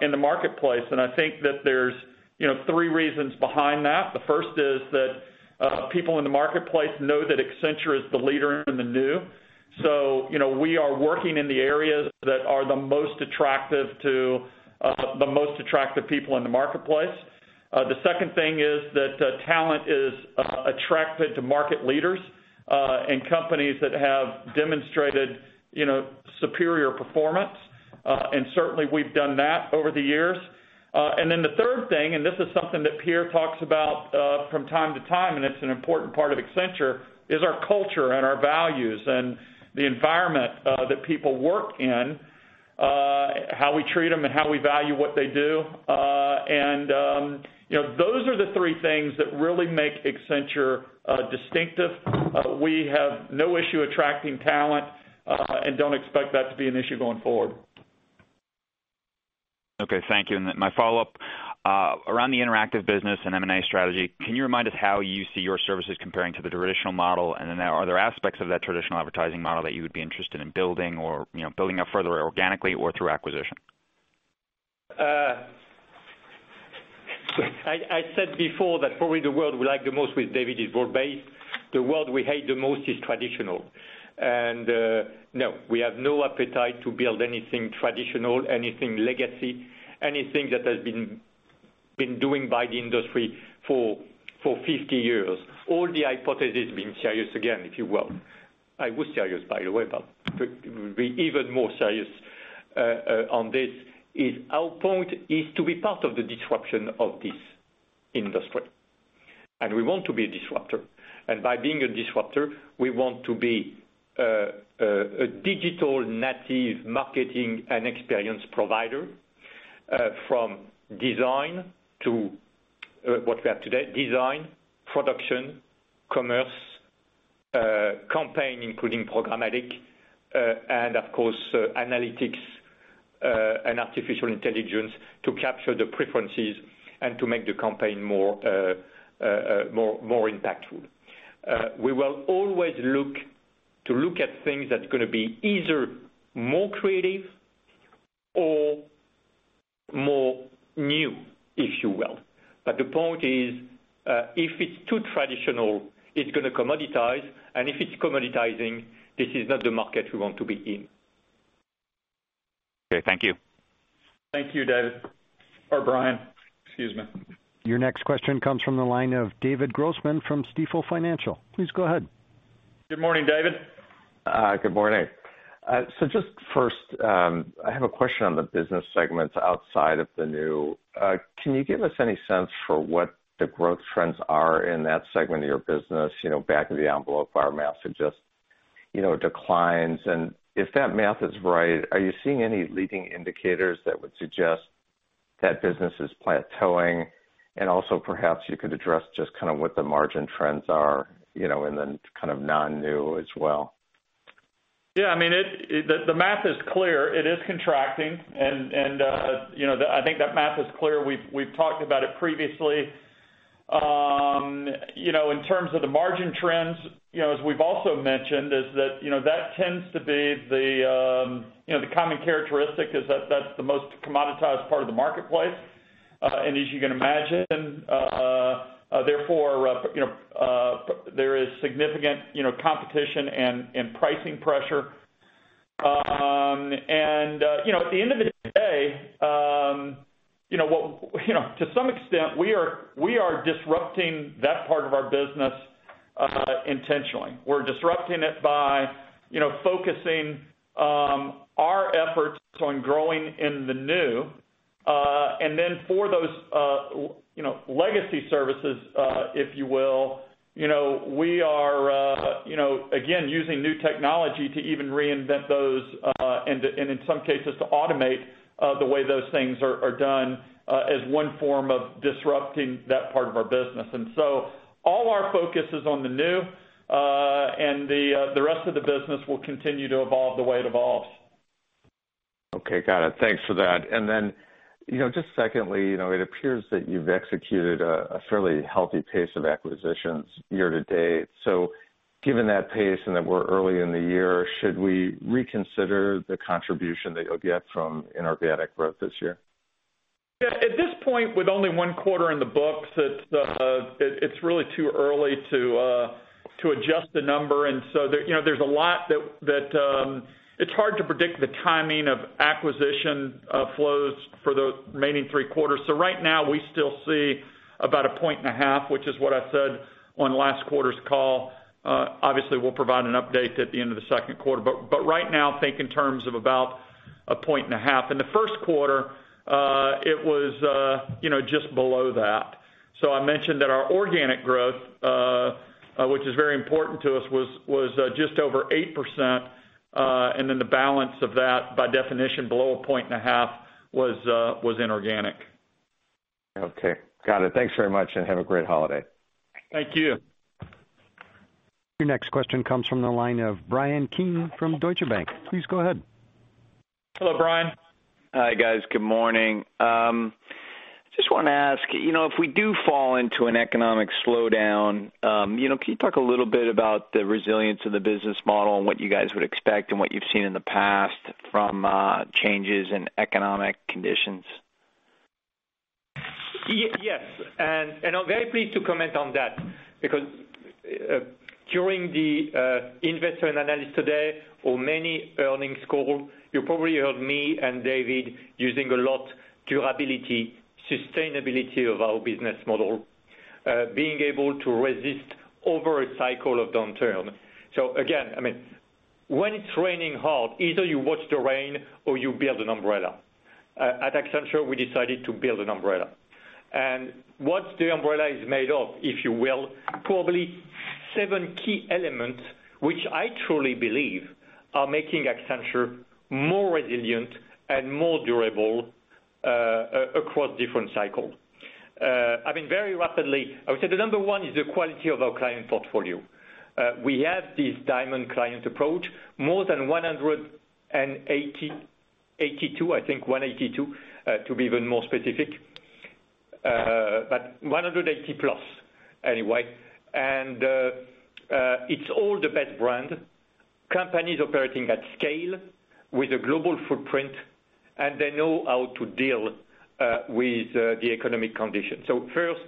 in the marketplace. I think that there's, you know, three reasons behind that. The first is that people in the marketplace know that Accenture is the leader in the new. You know, we are working in the areas that are the most attractive to the most attractive people in the marketplace. The second thing is that talent is attracted to market leaders and companies that have demonstrated, you know, superior performance. Certainly we've done that over the years. The third thing, and this is something that Pierre talks about from time to time, and it's an important part of Accenture, is our culture and our values and the environment that people work in, how we treat them and how we value what they do. You know, those are the three things that really make Accenture distinctive. We have no issue attracting talent and don't expect that to be an issue going forward. Okay, thank you. My follow-up, around the Interactive business and M&A strategy, can you remind us how you see your services comparing to the traditional model? Are there aspects of that traditional advertising model that you would be interested in building or, you know, building up further organically or through acquisition? I said before that probably the word we like the most with David is broad-based. The word we hate the most is traditional. No, we have no appetite to build anything traditional, anything legacy, anything that has been doing by the industry for 50 years. All the hypothesis being serious again, if you will. I was serious, by the way, but to be even more serious on this is our point is to be part of the disruption of this industry. We want to be a disruptor. By being a disruptor, we want to be a digital native marketing and experience provider, from design to what we have today, design, production, commerce, campaign, including programmatic, and of course, analytics, and artificial intelligence to capture the preferences and to make the campaign more impactful. We will always look at things that's gonna be either more creative or more new, if you will. The point is, if it's too traditional, it's gonna commoditize, and if it's commoditizing, this is not the market we want to be in. Okay. Thank you. Thank you, David. Or Bryan, excuse me. Your next question comes from the line of David Grossman from Stifel Financial. Please go ahead. Good morning, David. Good morning. So just first, I have a question on the business segments outside of the New. Can you give us any sense for what the growth trends are in that segment of your business? You know, back of the envelope, our math suggests, you know, declines. If that math is right, are you seeing any leading indicators that would suggest that business is plateauing. Also perhaps you could address just kind of what the margin trends are, you know, in the kind of Non-New as well. Yeah, I mean, the math is clear. It is contracting and, you know, I think that math is clear. We've talked about it previously. You know, in terms of the margin trends, you know, as we've also mentioned is that, you know, that tends to be the, you know, the common characteristic is that that's the most commoditized part of the marketplace. As you can imagine, therefore, you know, there is significant, you know, competition and pricing pressure. You know, at the end of the day, you know, to some extent, we are disrupting that part of our business intentionally. We're disrupting it by, you know, focusing our efforts on growing in the new, and then for those, you know, legacy services, if you will, you know, we are, you know, again, using new technology to even reinvent those, and in some cases, to automate the way those things are done, as one form of disrupting that part of our business. All our focus is on the new, and the rest of the business will continue to evolve the way it evolves. Okay. Got it. Thanks for that. Then, you know, just secondly, you know, it appears that you've executed a fairly healthy pace of acquisitions year to date. Given that pace, and that we're early in the year, should we reconsider the contribution that you'll get from inorganic growth this year? Yeah, at this point, with only one quarter in the books, it's really too early to adjust the number. There, you know, there's a lot that it's hard to predict the timing of acquisition flows for the remaining three quarters. Right now we still see about 1.5, which is what I said on last quarter's call. Obviously, we'll provide an update at the end of the second quarter. Right now, think in terms of about 1.5. In the first quarter, it was, you know, just below that. I mentioned that our organic growth, which is very important to us, was just over 8%, and then the balance of that, by definition below 1.5, was inorganic. Okay. Got it. Thanks very much, and have a great holiday. Thank you. Your next question comes from the line of Bryan Keane from Deutsche Bank. Please go ahead. Hello, Bryan. Hi, guys. Good morning. I just want to ask, you know, if we do fall into an economic slowdown, you know, can you talk a little bit about the resilience of the business model and what you guys would expect and what you've seen in the past from changes in economic conditions? Yes. I'm very pleased to comment on that because during the Investor and Analyst day or many earnings call, you probably heard me and David using a lot durability, sustainability of our business model, being able to resist over a cycle of downturn. Again, I mean, when it's raining hard, either you watch the rain or you build an umbrella. At Accenture, we decided to build an umbrella. What the umbrella is made of, if you will, probably seven key elements, which I truly believe are making Accenture more resilient and more durable across different cycle. I mean, very rapidly, I would say the number one is the quality of our client portfolio. We have this diamond client approach, more than 182, I think, 182 to be even more specific, but 180+ anyway. It's all the best brand, companies operating at scale with a global footprint, and they know how to deal with the economic conditions. First,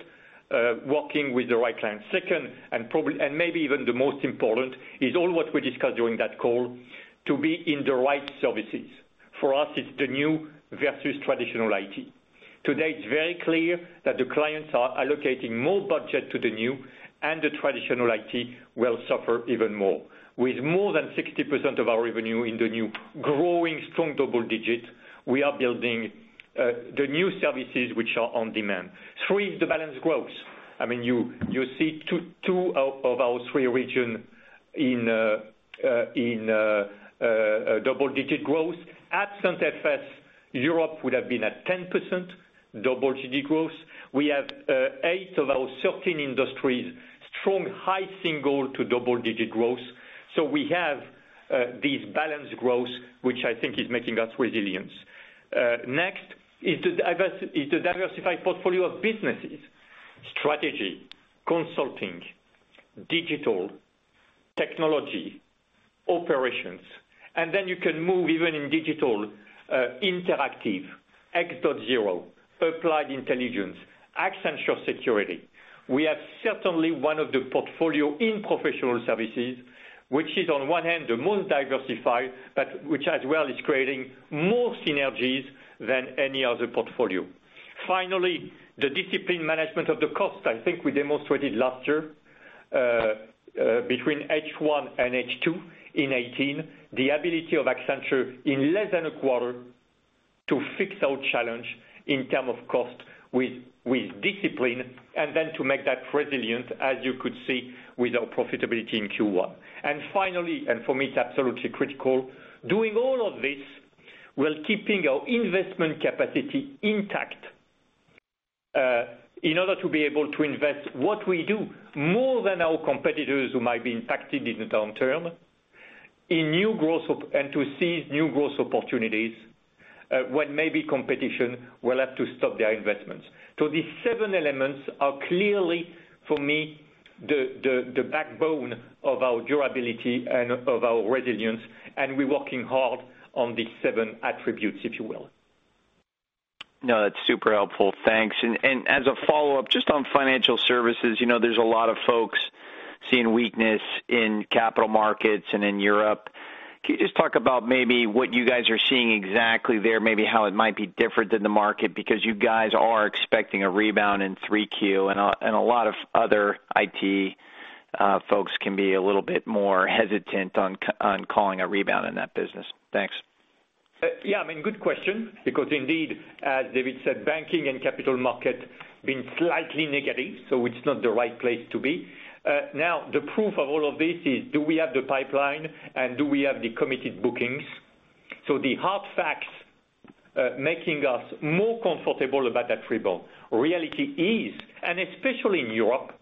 working with the right clients. Second, and maybe even the most important is all what we discussed during that call to be in the right services. For us, it's the new versus traditional IT. Today, it's very clear that the clients are allocating more budget to the new and the traditional IT will suffer even more. With more than 60% of our revenue in the new growing strong double digits, we are building the new services which are on demand. Three is the balanced growth. You see two of our three region in double-digit growth. Absent FS, Europe would have been at 10% double-digit growth. We have eight of our certain industries, strong high single- to double-digit growth. We have this balanced growth, which I think is making us resilience. Next is the diversified portfolio of businesses, strategy, consulting, digital, technology, operations. You can move even in digital, interactive, X.0, Applied Intelligence, Accenture Security. We have certainly one of the portfolio in professional services, which is on one hand, the most diversified, but which as well is creating more synergies than any other portfolio. Finally, the discipline management of the cost. I think we demonstrated last year, between H1 and H2 in 2018, the ability of Accenture in less than a quarter to fix our challenge in term of cost with discipline, and then to make that resilient as you could see with our profitability in Q1. Finally, and for me, it's absolutely critical, doing all of this while keeping our investment capacity intact. In order to be able to invest what we do more than our competitors who might be impacted in the long term, in new growth and to seize new growth opportunities, when maybe competition will have to stop their investments. These seven elements are clearly, for me, the backbone of our durability and of our resilience, and we're working hard on these seven attributes, if you will. No, that's super helpful. Thanks. As a follow-up, just on financial services, you know, there's a lot of folks seeing weakness in capital markets and in Europe. Can you just talk about maybe what you guys are seeing exactly there, maybe how it might be different than the market because you guys are expecting a rebound in 3Q and a lot of other IT folks can be a little bit more hesitant on calling a rebound in that business. Thanks. Yeah, I mean, good question because indeed, as David said, banking and capital market been slightly negative, so it's not the right place to be. The proof of all of this is do we have the pipeline and do we have the committed bookings? The hard facts, making us more comfortable about that rebound. Reality is, and especially in Europe,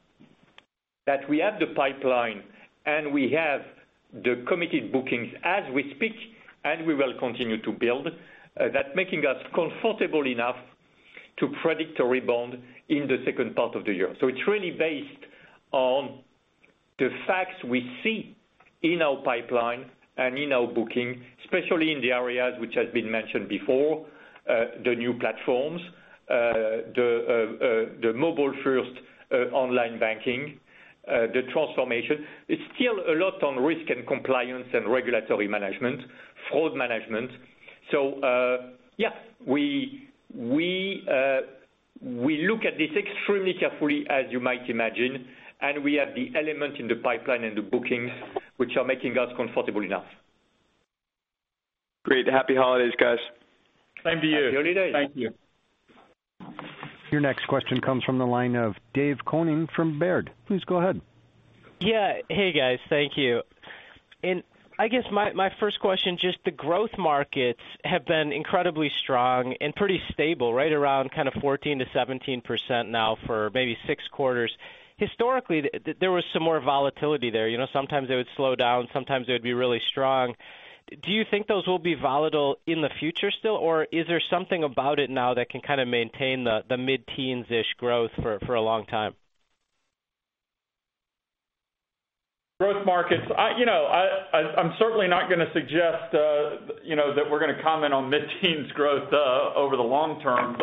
that we have the pipeline and we have the committed bookings as we speak, and we will continue to build. That making us comfortable enough to predict a rebound in the second part of the year. It's really based on the facts we see in our pipeline and in our booking, especially in the areas which has been mentioned before, the new platforms, the mobile-first, online banking, the transformation. It's still a lot on risk and compliance and regulatory management, fraud management. Yeah, we look at this extremely carefully, as you might imagine, and we have the element in the pipeline and the bookings which are making us comfortable enough. Great. Happy holidays, guys. Same to you. Happy holidays. Thank you. Your next question comes from the line of David Koning from Baird. Please go ahead. Yeah. Hey, guys. Thank you. I guess my first question, just the growth markets have been incredibly strong and pretty stable right around kind of 14%-17% now for maybe six quarters. Historically, there was some more volatility there. You know, sometimes it would slow down, sometimes it would be really strong. Do you think those will be volatile in the future still, or is there something about it now that can kind of maintain the mid-teens-ish growth for a long time? Growth markets. I, you know, I'm certainly not gonna suggest, you know, that we're gonna comment on mid-teens growth over the long term.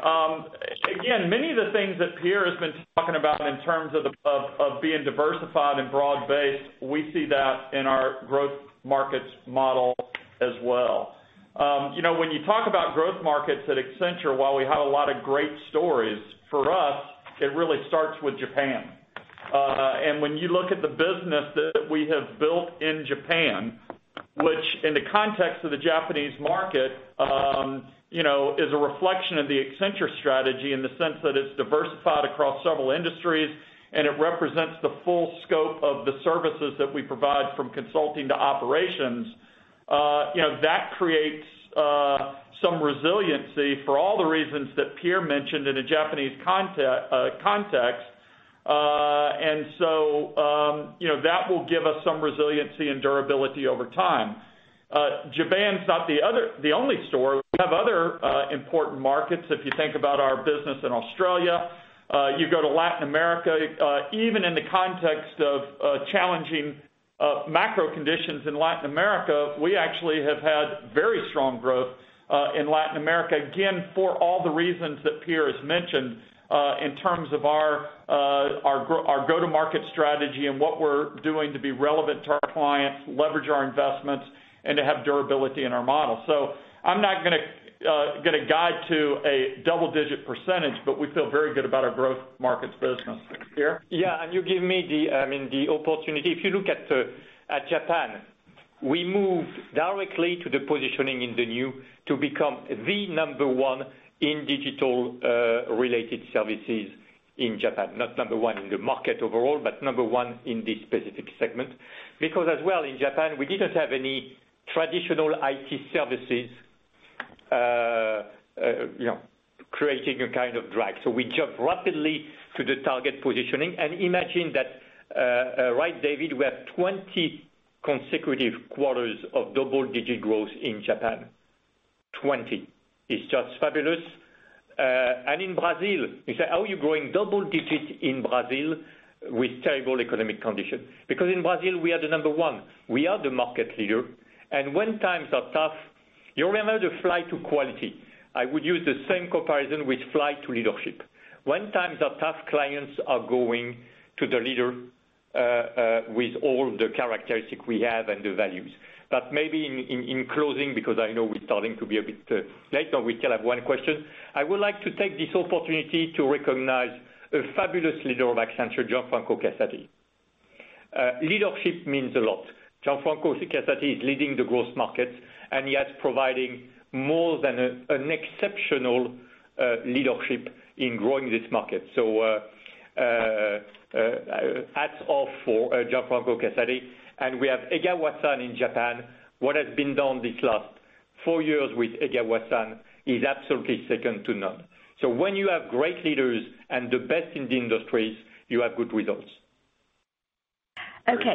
Again, many of the things that Pierre has been talking about in terms of being diversified and broad-based, we see that in our growth markets model as well. You know, when you talk about growth markets at Accenture, while we have a lot of great stories, for us, it really starts with Japan. When you look at the business that we have built in Japan, which in the context of the Japanese market, you know, is a reflection of the Accenture Strategy in the sense that it's diversified across several industries and it represents the full scope of the services that we provide from consulting to operations, you know, that creates some resiliency for all the reasons that Pierre mentioned in a Japanese context. You know, that will give us some resiliency and durability over time. Japan is not the only store. We have other important markets. If you think about our business in Australia, you go to Latin America, even in the context of challenging macro conditions in Latin America, we actually have had very strong growth in Latin America, again, for all the reasons that Pierre has mentioned, in terms of our go-to-market strategy and what we're doing to be relevant to our clients, leverage our investments, and to have durability in our model. I'm not gonna give a guide to a double-digit percentage, but we feel very good about our growth markets business. Pierre. Yeah. You give me the, I mean, the opportunity. If you look at Japan, we moved directly to the positioning in the new to become the number one in digital related services in Japan. Not number one in the market overall, but number one in this specific segment. Because as well, in Japan, we didn't have any traditional IT services, you know, creating a kind of drag. We jumped rapidly to the target positioning. Imagine that, right, David, we have 20 consecutive quarters of double-digit growth in Japan. 20. It's just fabulous. In Brazil, you say, "Are you growing double digits in Brazil with terrible economic condition?" In Brazil, we are the number one. We are the market leader. When times are tough, you remember the flight to quality. I would use the same comparison with flight to leadership. When times are tough, clients are going to the leader, with all the characteristic we have and the values. Maybe in, in closing, because I know we're starting to be a bit late, but we still have one question. I would like to take this opportunity to recognize a fabulous leader of Accenture, Gianfranco Casati. Leadership means a lot. Gianfranco Casati is leading the Growth Markets, and he has providing more than an exceptional leadership in growing this market. Hats off for Gianfranco Casati. We have Atsushi Egawa in Japan. What has been done this last four years with Egawa-san is absolutely second to none. When you have great leaders and the best in the industries, you have good results. Okay.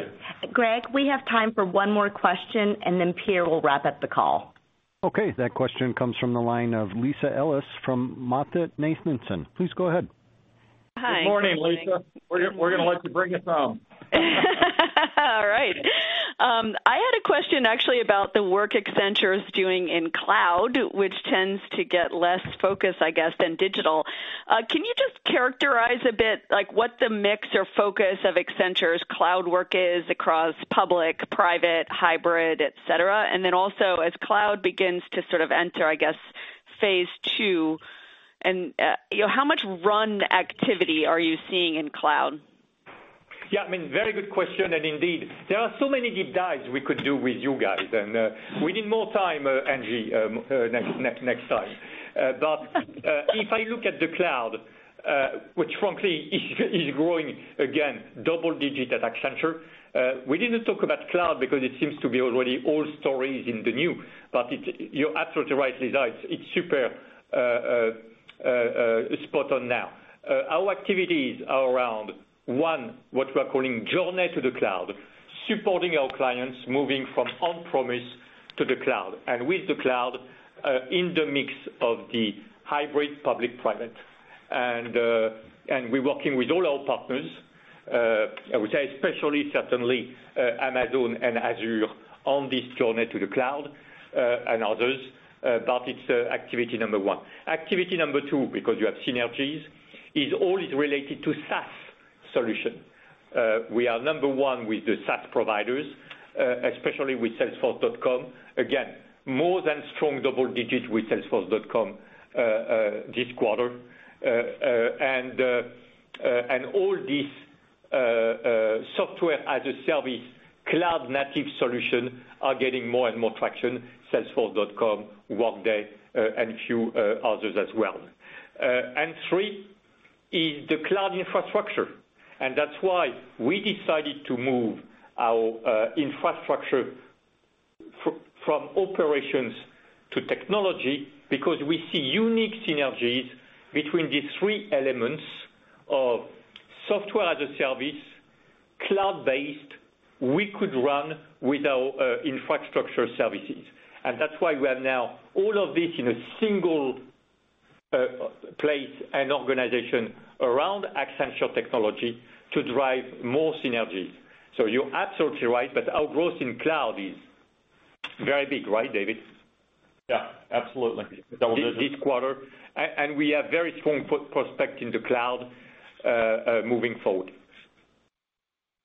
Greg, we have time for one more question, and then Pierre will wrap up the call. Okay. That question comes from the line of Lisa Ellis from MoffettNathanson. Please go ahead. Hi. Good morning, Lisa. We're gonna let you bring us home. All right. I had a question actually about the work Accenture is doing in cloud, which tends to get less focus, I guess, than digital. Can you just characterize a bit like what the mix or focus of Accenture's cloud work is across public, private, hybrid, et cetera? Also as cloud begins to sort of enter, I guess, phase 2 and, you know, how much run activity are you seeing in cloud? Yeah, I mean, very good question. Indeed, there are so many deep dives we could do with you guys. We need more time, Angie, next time. If I look at the cloud, which frankly is growing again, double digit at Accenture. We didn't talk about cloud because it seems to be already old stories in the new. You're absolutely right, Lisa. It's super spot on now. Our activities are around one, what we are calling journey to the cloud, supporting our clients moving from on-premise to the cloud. With the cloud in the mix of the hybrid public-private. We're working with all our partners, I would say especially certainly, Amazon and Azure on this journey to the cloud, and others. It's activity one. Activity two, because you have synergies, is always related to SaaS solution. We are one with the SaaS providers, especially with Salesforce. Again, more than strong double digits with Salesforce this quarter. All these software as a service cloud-native solution are getting more and more traction, Salesforce, Workday, and a few others as well. Three is the cloud infrastructure, and that's why we decided to move our infrastructure from operations to technology because we see unique synergies between these three elements of software as a service, cloud-based, we could run with our infrastructure services. That's why we have now all of this in a single place and organization around Accenture Technology to drive more synergies. You're absolutely right, but our growth in cloud is very big, right, David? Yeah, absolutely. Double digits. This quarter. We have very strong prospect in the cloud, moving forward.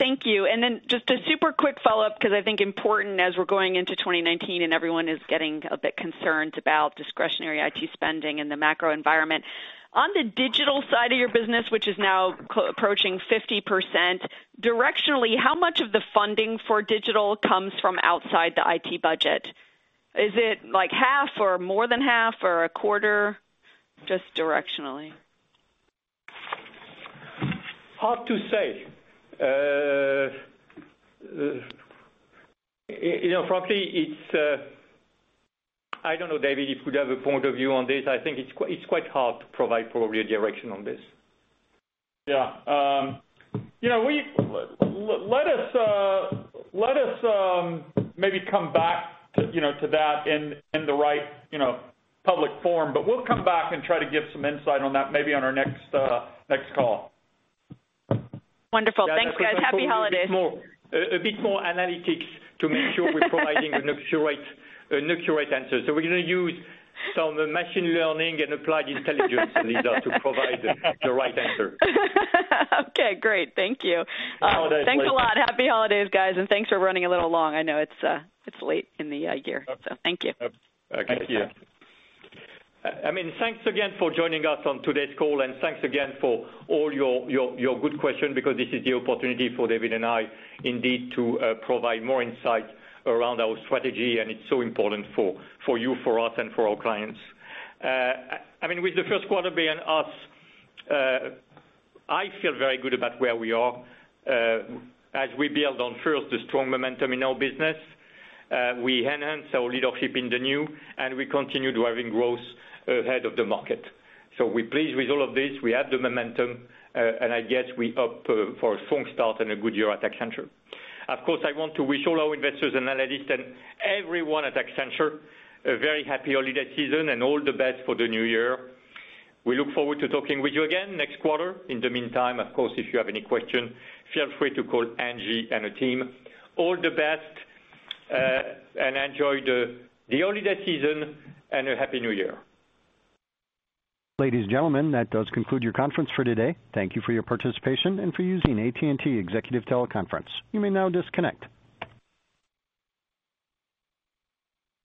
Thank you. Just a super quick follow-up, 'cause I think important as we're going into 2019 and everyone is getting a bit concerned about discretionary IT spending and the macro environment. On the digital side of your business, which is now approaching 50%, directionally, how much of the funding for digital comes from outside the IT budget? Is it like half or more than half or a quarter? Just directionally. Hard to say. You know, frankly, it's, I don't know, David, if you have a point of view on this. I think it's quite hard to provide probably a direction on this. Yeah. You know, let us, let us, maybe come back to, you know, to that in the right, you know, public forum. We'll come back and try to give some insight on that maybe on our next call. Wonderful. Thanks, guys. Happy holidays. A bit more analytics to make sure we're providing an accurate answer. We're gonna use some machine learning and Applied Intelligence, Lisa, to provide the right answer. Okay, great. Thank you. Happy holidays, Lisa. Thanks a lot. Happy holidays, guys, and thanks for running a little long. I know it's late in the year. Thank you. Okay. See you. I mean, thanks again for joining us on today's call, thanks again for all your good question because this is the opportunity for David and I indeed to provide more insight around our strategy, it's so important for you, for us, and for our clients. I mean, with the first quarter behind us, I feel very good about where we are as we build on first the strong momentum in our business. We enhance our leadership in the new, we continue driving growth ahead of the market. We're pleased with all of this. We have the momentum, I guess we up for a strong start and a good year at Accenture. Of course, I want to wish all our investors and analysts and everyone at Accenture a very happy holiday season and all the best for the new year. We look forward to talking with you again next quarter. In the meantime, of course, if you have any questions, feel free to call Angie and her team. All the best, and enjoy the holiday season and a happy new year. Ladies and gentlemen, that does conclude your conference for today. Thank you for your participation and for using AT&T Executive Teleconference. You may now disconnect.